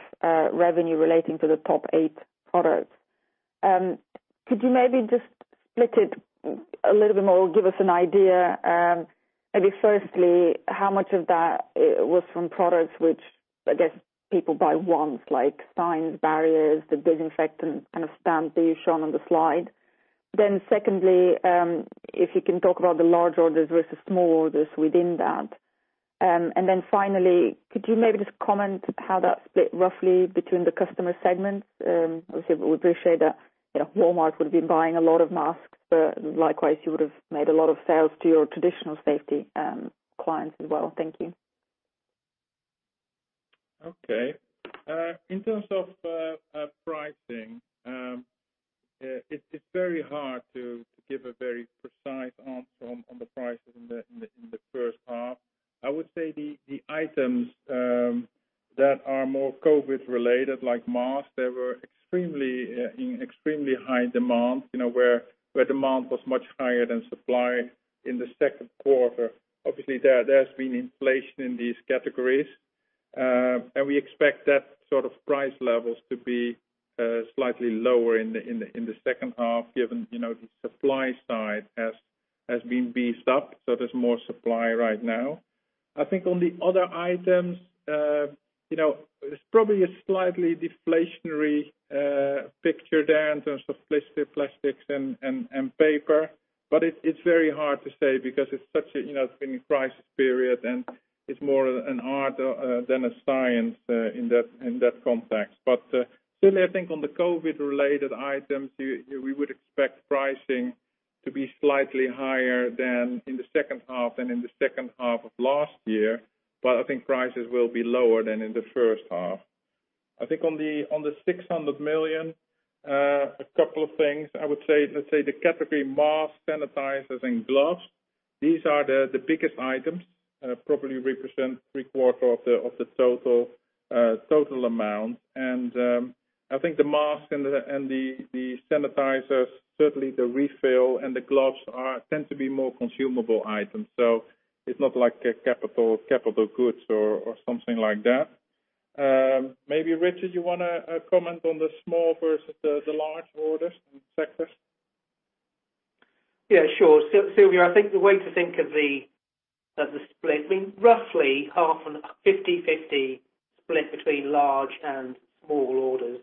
revenue relating to the top eight products, could you maybe just split it a little bit more or give us an idea, maybe firstly, how much of that was from products which, I guess, people buy once, like signs, barriers, the disinfectant kind of stamp that you've shown on the slide? Then secondly, if you can talk about the large orders versus small orders within that. Then finally, could you maybe just comment how that split roughly between the customer segments? Obviously, would appreciate that Walmart would have been buying a lot of masks, but likewise, you would have made a lot of sales to your traditional safety clients as well. Thank you. In terms of pricing, it's very hard to give a very precise answer on the prices in the first half. I would say the items that are more COVID related, like masks, they were in extremely high demand, where demand was much higher than supply in Q2. There has been inflation in these categories. We expect that sort of price levels to be slightly lower in the second half given the supply side has been beefed up. There's more supply right now. I think on the other items, it's probably a slightly deflationary picture there in terms of plastics and paper. It's very hard to say because it's been a crisis period and it's more an art than a science in that context. Certainly, I think on the COVID-19 related items, we would expect pricing to be slightly higher than in the second half and in the second half of last year. I think prices will be lower than in the first half. I think on the 600 million, a couple of things, I would say, let's say the category masks, sanitizers, and gloves, these are the biggest items, probably represent three quarter of the total amount. I think the masks and the sanitizers, certainly the refill and the gloves tend to be more consumable items. It's not like capital goods or something like that. Maybe Richard, you want to comment on the small versus the large orders and sectors? Yes, sure. Sylvia, I think the way to think of the split, roughly half on a 50/50 split between large and small orders.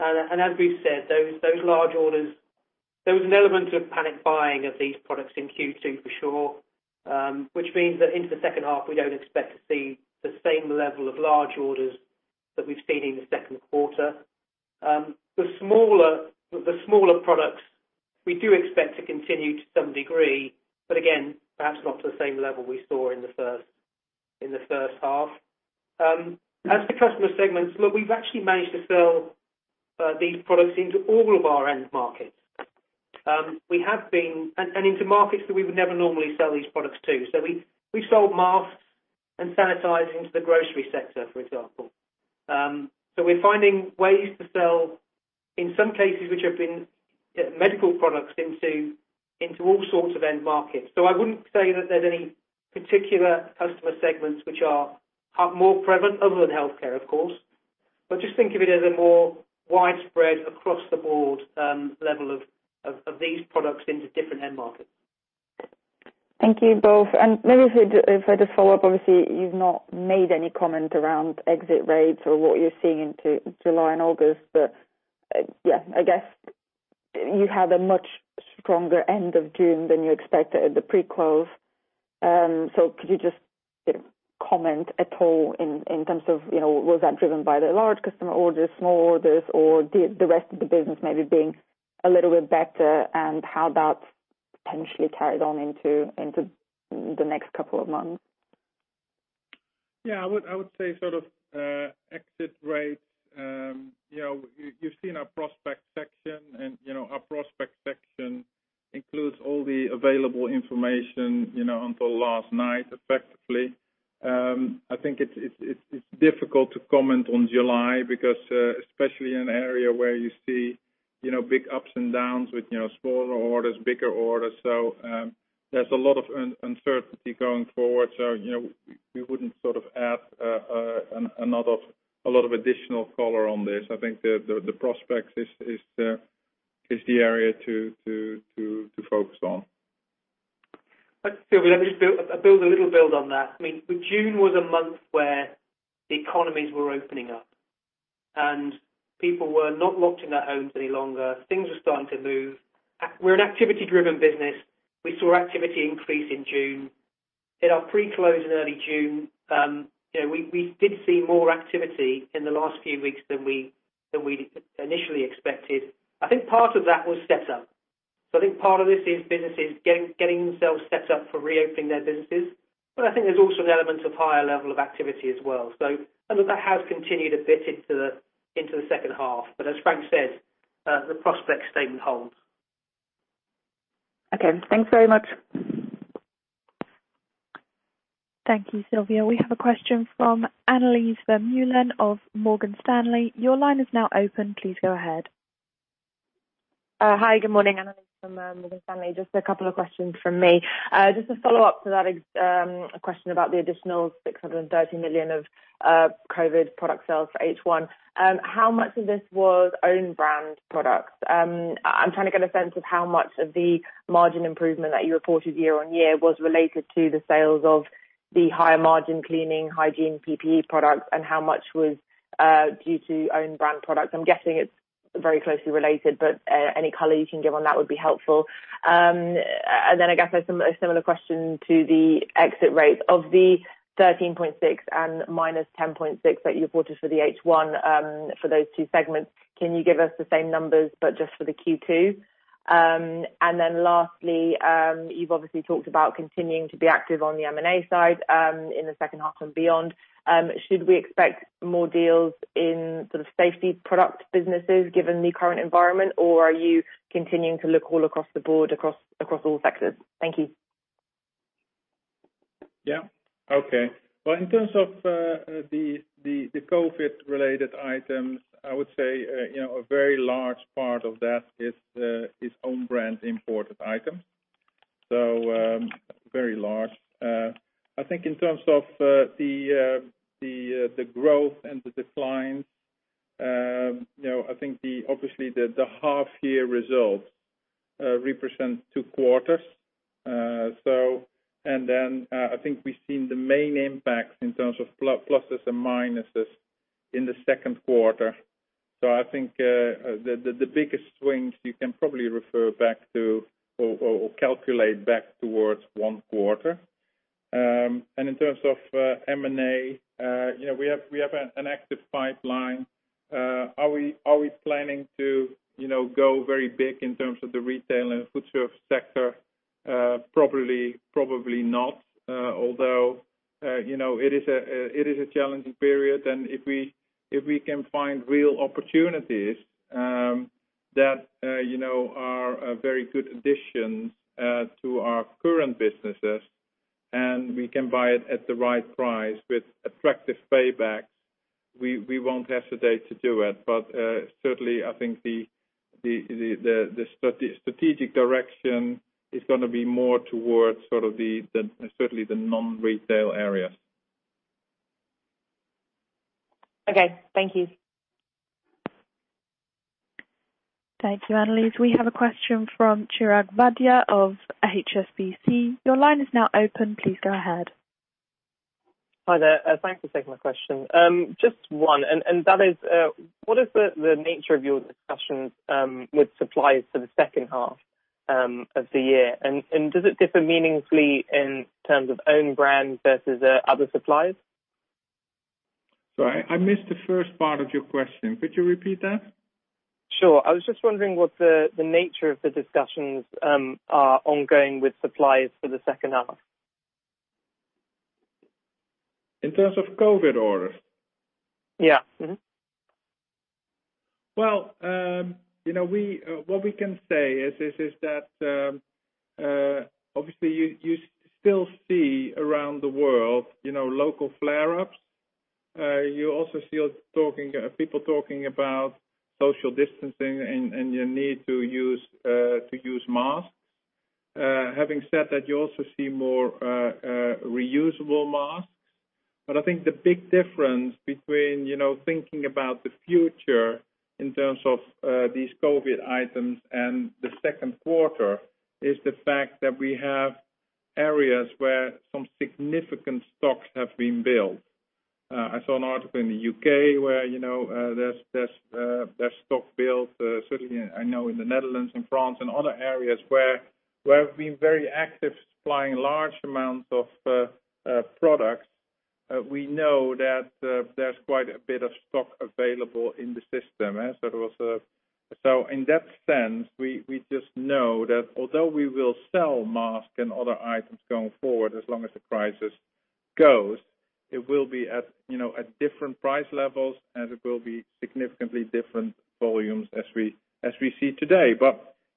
As we've said, those large orders, there was an element of panic buying of these products in Q2 for sure, which means that into the second half, we don't expect to see the same level of large orders that we've seen in Q2. The smaller products we do expect to continue to some degree, but again, perhaps not to the same level we saw in the first half. As for customer segments, look, we've actually managed to sell these products into all of our end markets. Into markets that we would never normally sell these products to. We sold masks and sanitizers into the grocery sector, for example. We're finding ways to sell, in some cases, which have been medical products into all sorts of end markets. I wouldn't say that there's any particular customer segments which are more prevalent other than healthcare, of course. Just think of it as a more widespread across the board level of these products into different end markets. Thank you both. Maybe for the follow-up, obviously, you've not made any comment around exit rates or what you're seeing into July and August, but Yes, I guess you had a much stronger end of June than you expected at the pre-close. Could you just comment at all in terms of was that driven by the large customer orders, small orders, or the rest of the business maybe being a little bit better and how that potentially carried on into the next couple of months? I would say exit rates, you've seen our prospect section and our prospect section includes all the available information until last night, effectively. I think it's difficult to comment on July because, especially in an area where you see big ups and downs with smaller orders, bigger orders. There's a lot of uncertainty going forward. We wouldn't add a lot of additional color on this. I think the prospects is the area to focus on. Sylvia, let me do a little build on that. June was a month where economies were opening up and people were not locked in their homes any longer. Things were starting to move. We're an activity driven business. We saw activity increase in June. In our pre-close in early June, we did see more activity in the last few weeks than we initially expected. I think part of that was set up. I think part of this is businesses getting themselves set up for reopening their businesses. I think there's also an element of higher level of activity as well. Some of that has continued a bit into the second half, but as Frank said, the prospect statement holds. Okay. Thanks very much. Thank you, Sylvia. We have a question from Annelies Vermeulen of Morgan Stanley. Your line is now open. Please go ahead. Hi, good morning. Annelies from Morgan Stanley. Just a couple of questions from me. Just a follow-up to that question about the additional 630 million of COVID-19 product sales for H1. How much of this was own brand products? I'm trying to get a sense of how much of the margin improvement that you reported year on year was related to the sales of the higher margin cleaning hygiene PPE products, and how much was due to own brand products. I'm guessing it's very closely related, but any color you can give on that would be helpful. I guess a similar question to the exit rates. Of the 13.6% and -10.6% that you reported for the H1, for those two segments, can you give us the same numbers, but just for Q2? Then lastly, you've obviously talked about continuing to be active on the M&A side in the second half and beyond. Should we expect more deals in safety product businesses given the current environment, or are you continuing to look all across the board, across all sectors? Thank you. Yes. Okay. Well, in terms of the COVID related items, I would say a very large part of that is own brand imported item, very large. I think in terms of the growth and the declines, I think obviously, the half-year results represent two quarters. Then I think we've seen the main impacts in terms of pluses and minuses in Q2. I think, the biggest swings you can probably refer back to or calculate back towards one quarter. In terms of M&A, we have an active pipeline. Are we planning to go very big in terms of the retail and food service sector? Probably not. Although, it is a challenging period, and if we can find real opportunities that are a very good addition to our current businesses, and we can buy it at the right price with attractive paybacks, we won't hesitate to do it. Certainly, I think the strategic direction is going to be more towards sort of certainly the non-retail area. Okay. Thank you. Thank you, Annelies. We have a question from Chirag Vadhia of HSBC. Your line is now open. Please go ahead. Hi there. Thanks for taking my question. Just one, and that is, what is the nature of your discussions with suppliers for the second half of the year? Does it differ meaningfully in terms of own brands versus other suppliers? Sorry, I missed the first part of your question. Could you repeat that? Sure. I was just wondering what the nature of the discussions are ongoing with suppliers for the second half. In terms of COVID orders? Yes. What we can say is that, obviously, you still see around the world local flare-ups. You also see people talking about social distancing and you need to use masks. Having said that, you also see more reusable masks. I think the big difference between thinking about the future in terms of these COVID-19 items and Q2 is the fact that we have areas where some significant stocks have been built. I saw an article in the U.K. where there's stock built, certainly I know in the Netherlands and France and other areas where we've been very active supplying large amounts of products. We know that there's quite a bit of stock available in the system. In that sense, we just know that although we will sell masks and other items going forward, as long as the crisis goes, it will be at different price levels, and it will be significantly different volumes as we see today.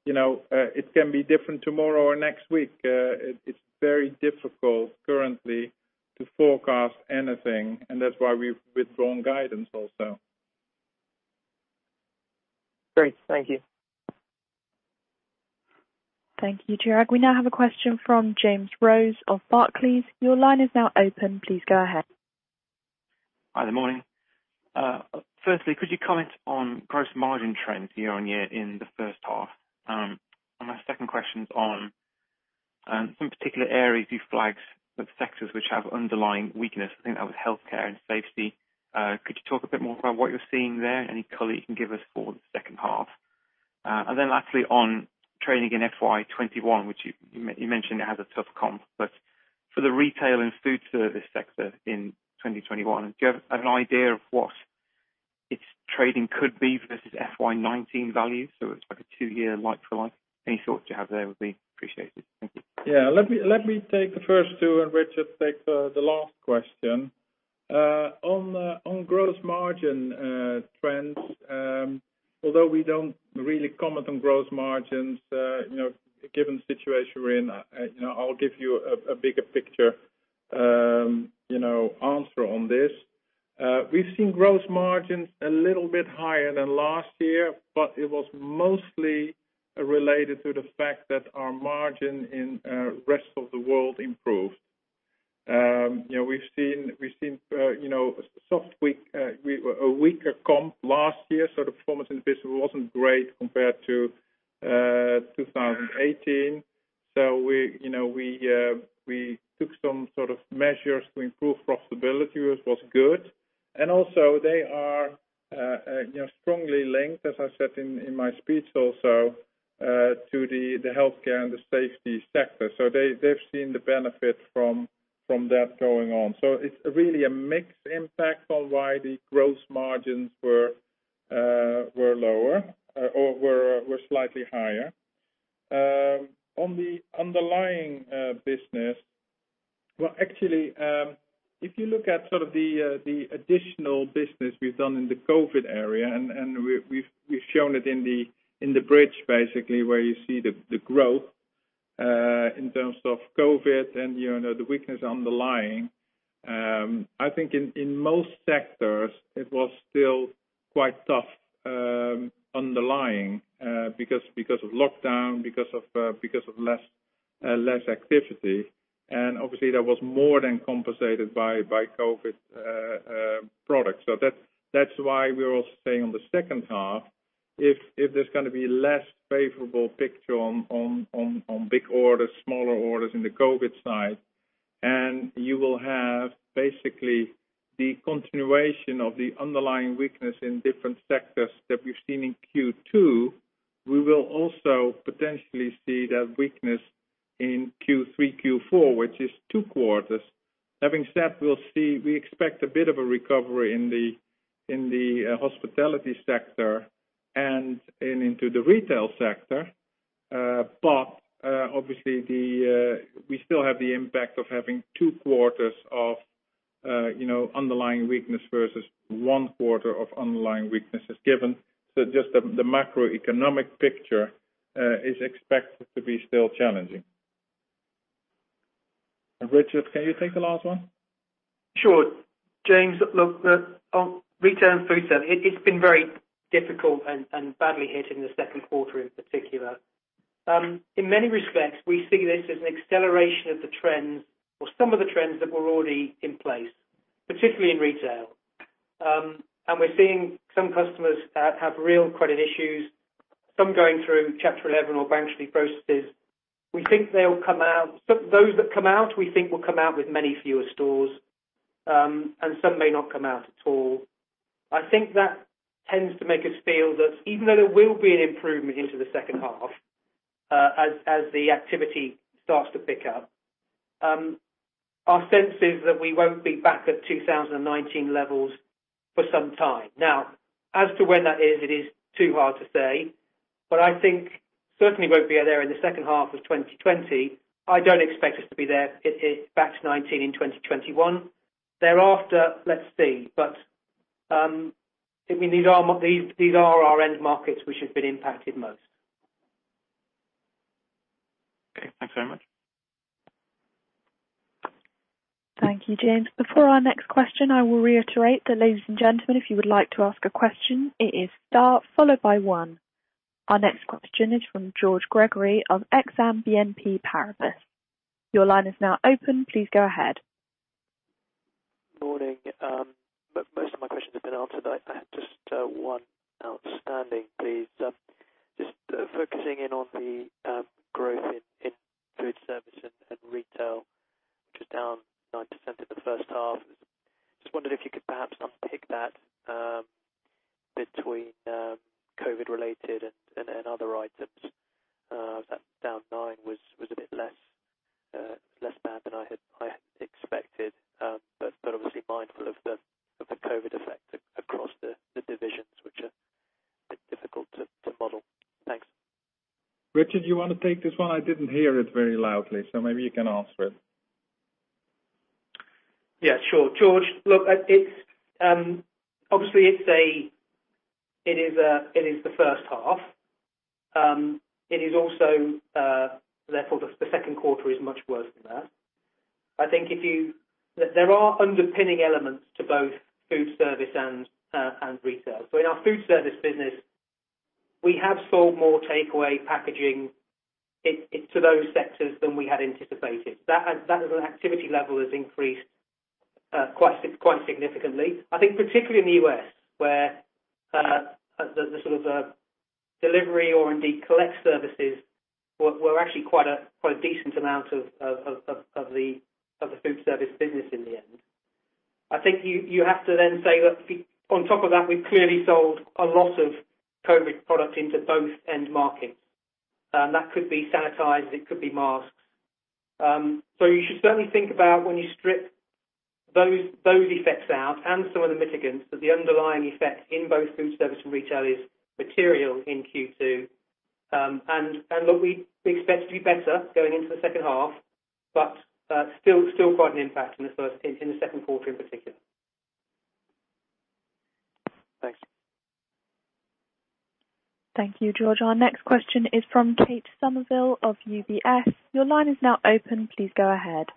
It can be different tomorrow or next week. It's very difficult currently to forecast anything, and that's why we've withdrawn guidance also. Great. Thank you. Thank you, Chirag. We now have a question from James Rose of Barclays. Your line is now open. Please go ahead. Hi, good morning. Firstly, could you comment on gross margin trends year-over-year in the H1? My second question is on some particular areas you flagged with sectors which have underlying weakness. I think that was healthcare and safety. Could you talk a bit more about what you're seeing there? Any color you can give us for the H2? Lastly, on trading in FY 2021, which you mentioned it has a tough comp. For the retail and food service sector in 2021, do you have an idea of what its trading could be versus FY 2019 values? It's like a two-year like for like. Any thoughts you have there would be appreciated. Thank you. Yes. Let me take the first two and Richard take the last question. On gross margin trends, although we don't really comment on gross margins, given the situation we're in, I'll give you a bigger picture answer on this. We've seen gross margins a little bit higher than last year, but it was mostly related to the fact that our margin in rest of the world improved. We've seen a weaker comp last year, so the performance in the business wasn't great compared to 2018. We took some sort of measures to improve profitability, which was good. Also they are strongly linked, as I said in my speech also, to the healthcare and the safety sector. They've seen the benefit from that going on. It's really a mixed impact on why the gross margins were lower or were slightly higher. On the underlying business, well, actually, if you look at sort of the additional business we've done in the COVID area, and we've shown it in the bridge, basically, where you see the growth, in terms of COVID and the weakness underlying. Obviously that was more than compensated by COVID products. That's why we're all saying on the second half, if there's going to be less favorable picture on big orders, smaller orders in the COVID side, and you will have basically the continuation of the underlying weakness in different sectors that we've seen in Q2, we will also potentially see that weakness in Q3, Q4, which is two quarters. Having said, we expect a bit of a recovery in the hospitality sector and into the retail sector. Obviously, we still have the impact of having two quarters of underlying weakness versus one quarter of underlying weaknesses given. Just the macroeconomic picture is expected to be still challenging. Richard, can you take the last one? Sure. James, look, on retail and food service, it's been very difficult and badly hit in Q2 in particular. In many respects, we see this as an acceleration of the trends or some of the trends that were already in place, particularly in retail. We're seeing some customers have real credit issues, some going through Chapter 11 or bankruptcy processes. We think they'll come out. Those that come out, we think will come out with many fewer stores, and some may not come out at all. I think that tends to make us feel that even though there will be an improvement into the second half, as the activity starts to pick up, our sense is that we won't be back at 2019 levels for some time. As to when that is, it is too hard to say, but I think certainly won't be there in the second half of 2020. I don't expect us to be there back to 2019 in 2021. Thereafter, let's see. These are our end markets which have been impacted most. Okay. Thanks very much. Thank you, James. Before our next question, I will reiterate that, ladies and gentlemen, if you would like to ask a question, it is star followed by one. Our next question is from George Gregory of Exane BNP Paribas. Your line is now open. Please go ahead. Morning. Most of my questions have been answered. I have just one outstanding, please. Just focusing in on the growth in food service and retail, which was down 9% in the first half. Just wondered if you could perhaps unpick that between COVID related and other items. That down 9% was a bit less bad than I had expected. Obviously mindful of the COVID effect across the divisions, which are a bit difficult to model. Thanks. Richard, you want to take this one? I didn't hear it very loudly, so maybe you can answer it. Yes, sure. George, look, obviously, it is the first half. Q2 is much worse than that. There are underpinning elements to both food service and retail. In our food service business, we have sold more takeaway packaging to those sectors than we had anticipated. That as an activity level has increased quite significantly. I think particularly in the U.S., where the sort of delivery or indeed collect services were actually quite a decent amount of the food service business in the end. I think you have to say that on top of that, we've clearly sold a lot of COVID product into both end markets. That could be sanitizers, it could be masks. You should certainly think about when you strip those effects out and some of the mitigants, that the underlying effect in both food service and retail is material in Q2. Look, we expect to be better going into the second half, but still quite an impact in Q2 in particular. Thanks. Thank you, George. Our next question is from Kate Somerville of UBS. Your line is now open. Please go ahead.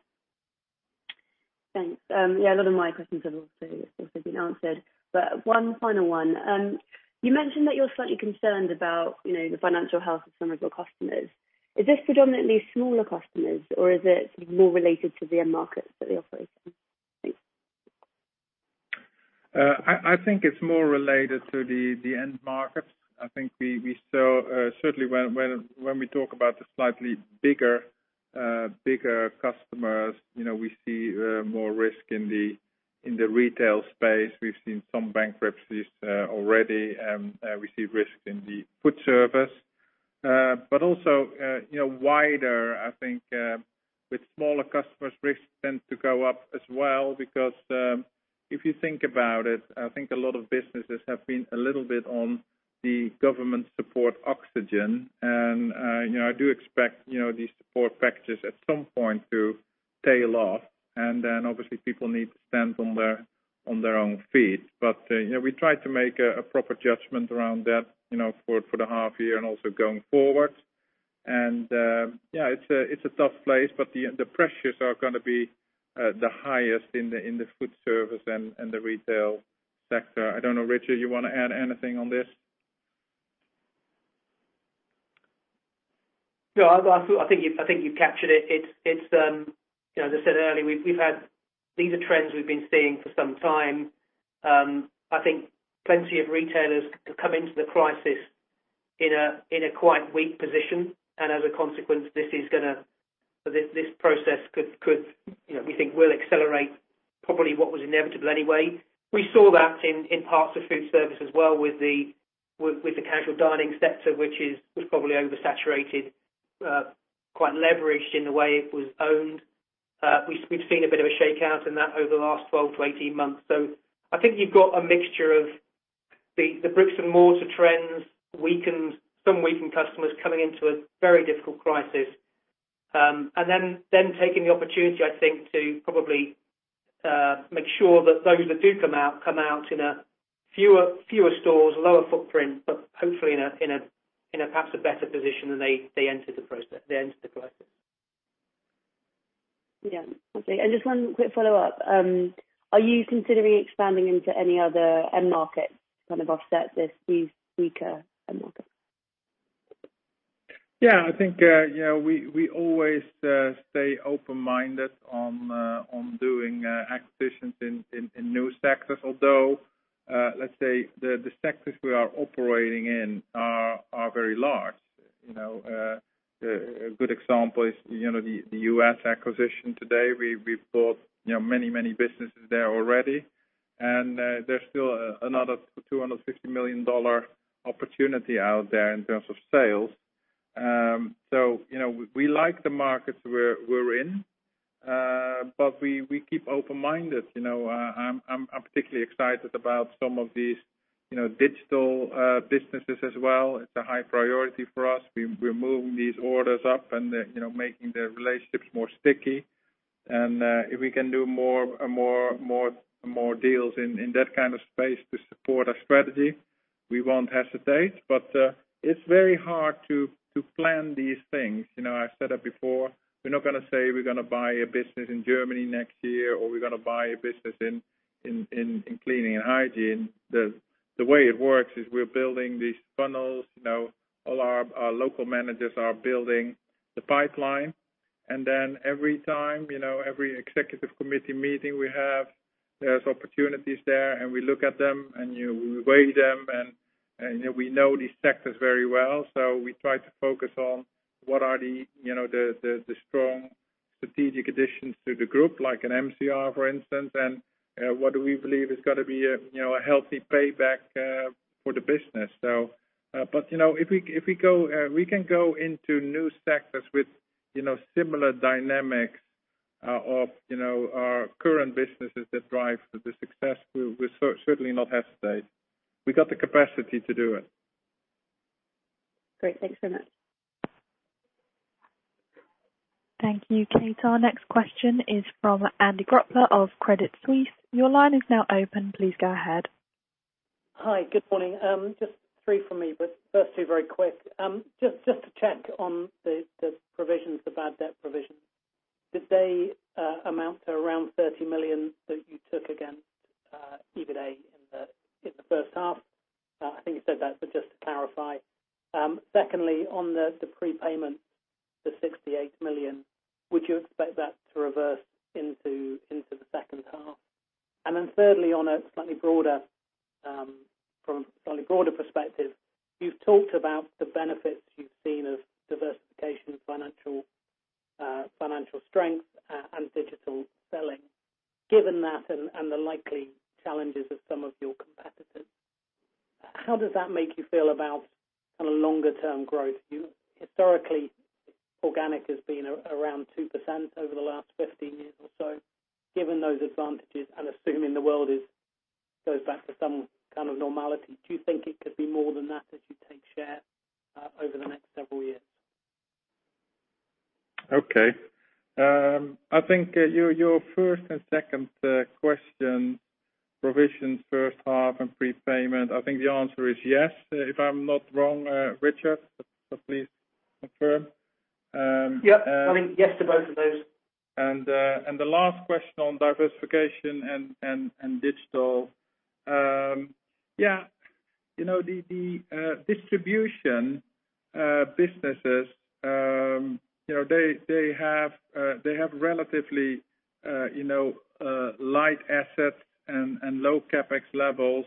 Thanks. Yes, a lot of my questions have also been answered, but one final one. You mentioned that you're slightly concerned about the financial health of some of your customers. Is this predominantly smaller customers, or is it more related to the end markets that they operate in? Thanks. I think it's more related to the end markets. I think certainly when we talk about the slightly bigger customers, we see more risk in the retail space. We've seen some bankruptcies already. We see risk in the food service. Also, wider, I think with smaller customers, risks tend to go up as well because, if you think about it, I think a lot of businesses have been a little bit on the government support oxygen, and I do expect these support packages at some point to tail off, and then obviously people need to stand on their own feet. We try to make a proper judgment around that for the half year and also going forward. It's a tough place, but the pressures are going to be the highest in the food service and the retail sector. I don't know, Richard, you want to add anything on this? No, I think you've captured it. As I said earlier, these are trends we've been seeing for some time. I think plenty of retailers have come into the crisis in a quite weak position, and as a consequence, this process we think will accelerate probably what was inevitable anyway. We saw that in parts of food service as well with the casual dining sector, which was probably oversaturated, quite leveraged in the way it was owned. We've seen a bit of a shakeout in that over the last 12 to 18 months. I think you've got a mixture of the bricks and mortar trends, some weakened customers coming into a very difficult crisis. Then taking the opportunity, I think, to probably make sure that those that do come out, come out in fewer stores, lower footprint, but hopefully in perhaps a better position than they entered the crisis. Yes. Okay. Just one quick follow-up. Are you considering expanding into any other end market to kind of offset these weaker end markets? Yes, I think we always stay open-minded on doing acquisitions in new sectors. Although, let's say, the sectors we are operating in are very large. A good example is the U.S. acquisition today. We've bought many businesses there already. There's still another $250 million opportunity out there in terms of sales. We like the markets we're in, but we keep open-minded. I'm particularly excited about some of these digital businesses as well. It's a high priority for us. We're moving these orders up and making the relationships stickier. If we can do more deals in that kind of space to support our strategy, we won't hesitate. It's very hard to plan these things. I've said it before, we're not going to say we're going to buy a business in Germany next year, or we're going to buy a business in cleaning and hygiene. The way it works is we're building these funnels. All our local managers are building the pipeline, and then every time, every executive committee meeting we have, there's opportunities there, and we look at them and we weigh them, and we know these sectors very well. We try to focus on what are the strong strategic additions to the group, like an MCR, for instance, and what do we believe is going to be a healthy payback for the business. If we can go into new sectors with similar dynamics of our current businesses that drive the success, we certainly will not hesitate. We got the capacity to do it. Great. Thanks very much. Thank you, Kate. Our next question is from Andy Grobler of Credit Suisse. Your line is now open. Please go ahead. Hi. Good morning. Just three from me. Firstly, very quick. Just to check on the provisions, the bad debt provisions. Did they amount to around 30 million that you took against EBITDA in the first half? I think you said that. Just to clarify. Secondly, on the prepayment, the 68 million, would you expect that to reverse into the second half? Thirdly, from a slightly broader perspective, you've talked about the benefits you've seen of diversification, financial strength, and digital selling. Given that and the likely challenges of some of your competitors, how does that make you feel about longer term growth? Historically, organic has been around 2% over the last 15 years or so. Given those advantages and assuming the world goes back to some kind of normality, do you think it could be more than that as you take share over the next several years? Okay. I think your first and second question, provisions first half and prepayment, I think the answer is yes. If I'm not wrong, Richard, but please confirm. Yes. I think yes to both of those. The last question on diversification and digital. Yes. The distribution businesses they have relatively light assets and low CapEx levels.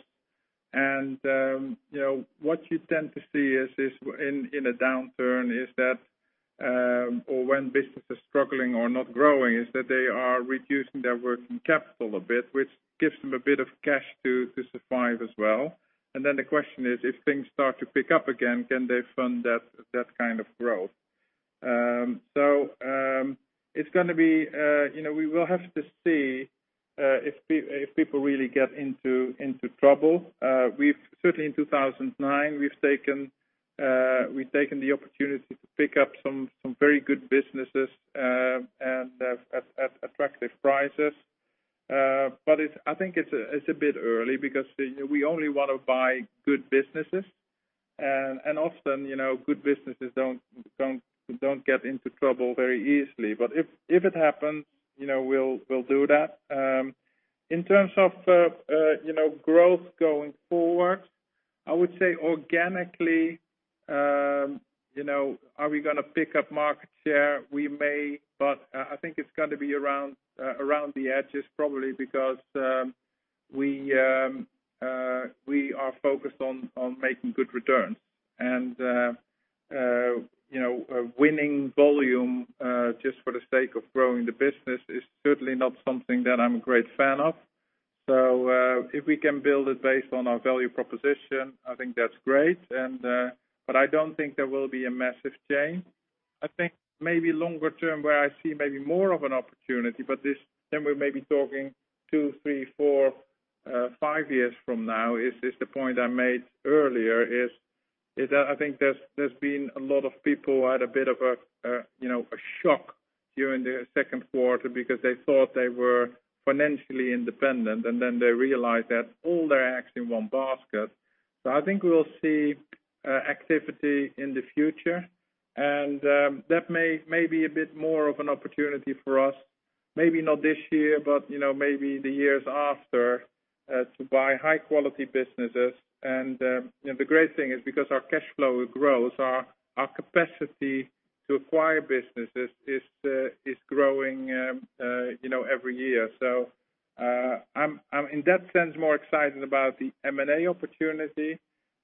What you tend to see in a downturn is that or when businesses are struggling or not growing, is that they are reducing their working capital a bit, which gives them a bit of cash to survive as well. The question is, if things start to pick up again, can they fund that kind of growth? We will have to see if people really get into trouble. Certainly in 2009, we've taken the opportunity to pick up some very good businesses at attractive prices. But I think it's a bit early because we only want to buy good businesses, and often good businesses don't get into trouble very easily. If it happens, we'll do that. In terms of growth going forward, I would say organically, are we going to pick up market share? We may, but I think it's going to be around the edges, probably because we are focused on making good returns. Winning volume just for the sake of growing the business is certainly not something that I'm a great fan of. If we can build it based on our value proposition, I think that's great, but I don't think there will be a massive change. I think maybe longer term where I see maybe more of an opportunity, but then we may be talking two, three, four, five years from now, is just the point I made earlier is, I think there's been a lot of people who had a bit of a shock during Q2 because they thought they were financially independent, and then they realized that all their eggs in one basket. I think we will see activity in the future, and that may be a bit more of an opportunity for us. Maybe not this year, but maybe the years after to buy high-quality businesses. The great thing is because our cash flow grows, our capacity to acquire businesses is growing every year. I'm, in that sense, more excited about the M&A opportunity.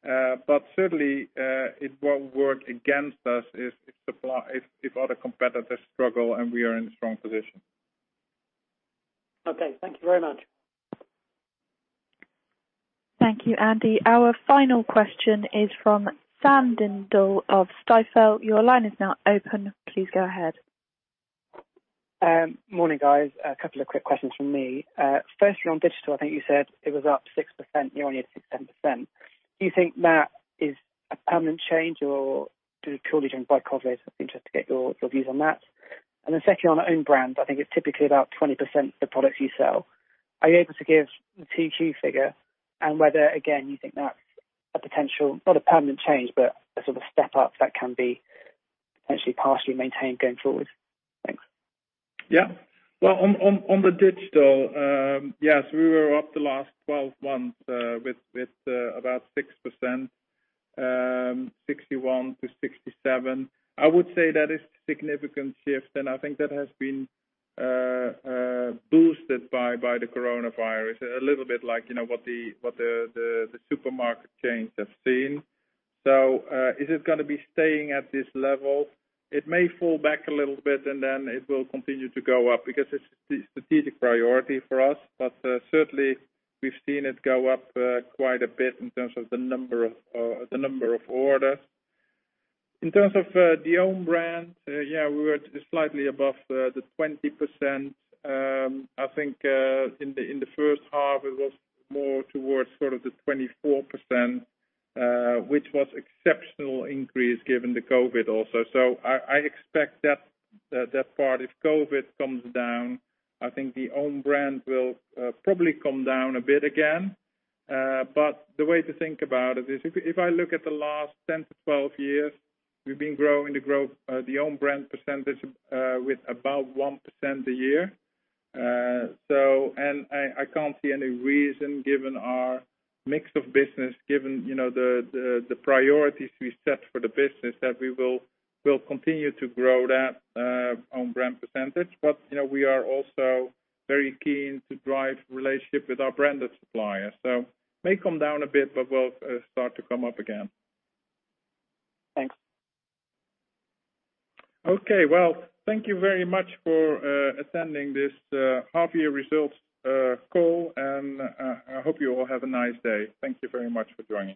Certainly, it won't work against us if other competitors struggle and we are in a strong position. Okay. Thank you very much. Thank you, Andy. Our final question is from Sam Dindol of Stifel. Your line is now open. Please go ahead. Morning, guys. A couple of quick questions from me. On digital, I think you said it was up 6%, you only had 67%. Do you think that is a permanent change or just purely driven by COVID-19? I'm interested to get your views on that. Secondly, on our own brands, I think it's typically about 20% the products you sell. Are you able to give the 2Q figure and whether, again, you think that's a potential, not a permanent change, but a sort of step up that can be potentially partially maintained going forward? Thanks. On the digital, yes, we were up the last 12 months with about 6%, 61% to 67%. I would say that is a significant shift, and I think that has been boosted by the coronavirus, a little bit like what the supermarket chains have seen. Is it going to be staying at this level? It may fall back a little bit, and then it will continue to go up because it's the strategic priority for us. Certainly, we've seen it go up quite a bit in terms of the number of orders. In terms of the own brand, we were slightly above the 20%. I think in the first half, it was more towards sort of the 24%, which was exceptional increase given the COVID also. I expect that part, if COVID comes down, I think the own brand will probably come down a bit again. The way to think about it is if I look at the last 10 to 12 years, we've been growing the own brand percentage with about 1% a year. I can't see any reason, given our mix of business, given the priorities we set for the business, that we will continue to grow that own brand percentage. We are also very keen to drive relationship with our branded suppliers. May come down a bit, but will start to come up again. Thanks. Okay. Well, thank you very much for attending this half year results call. I hope you all have a nice day. Thank you very much for joining.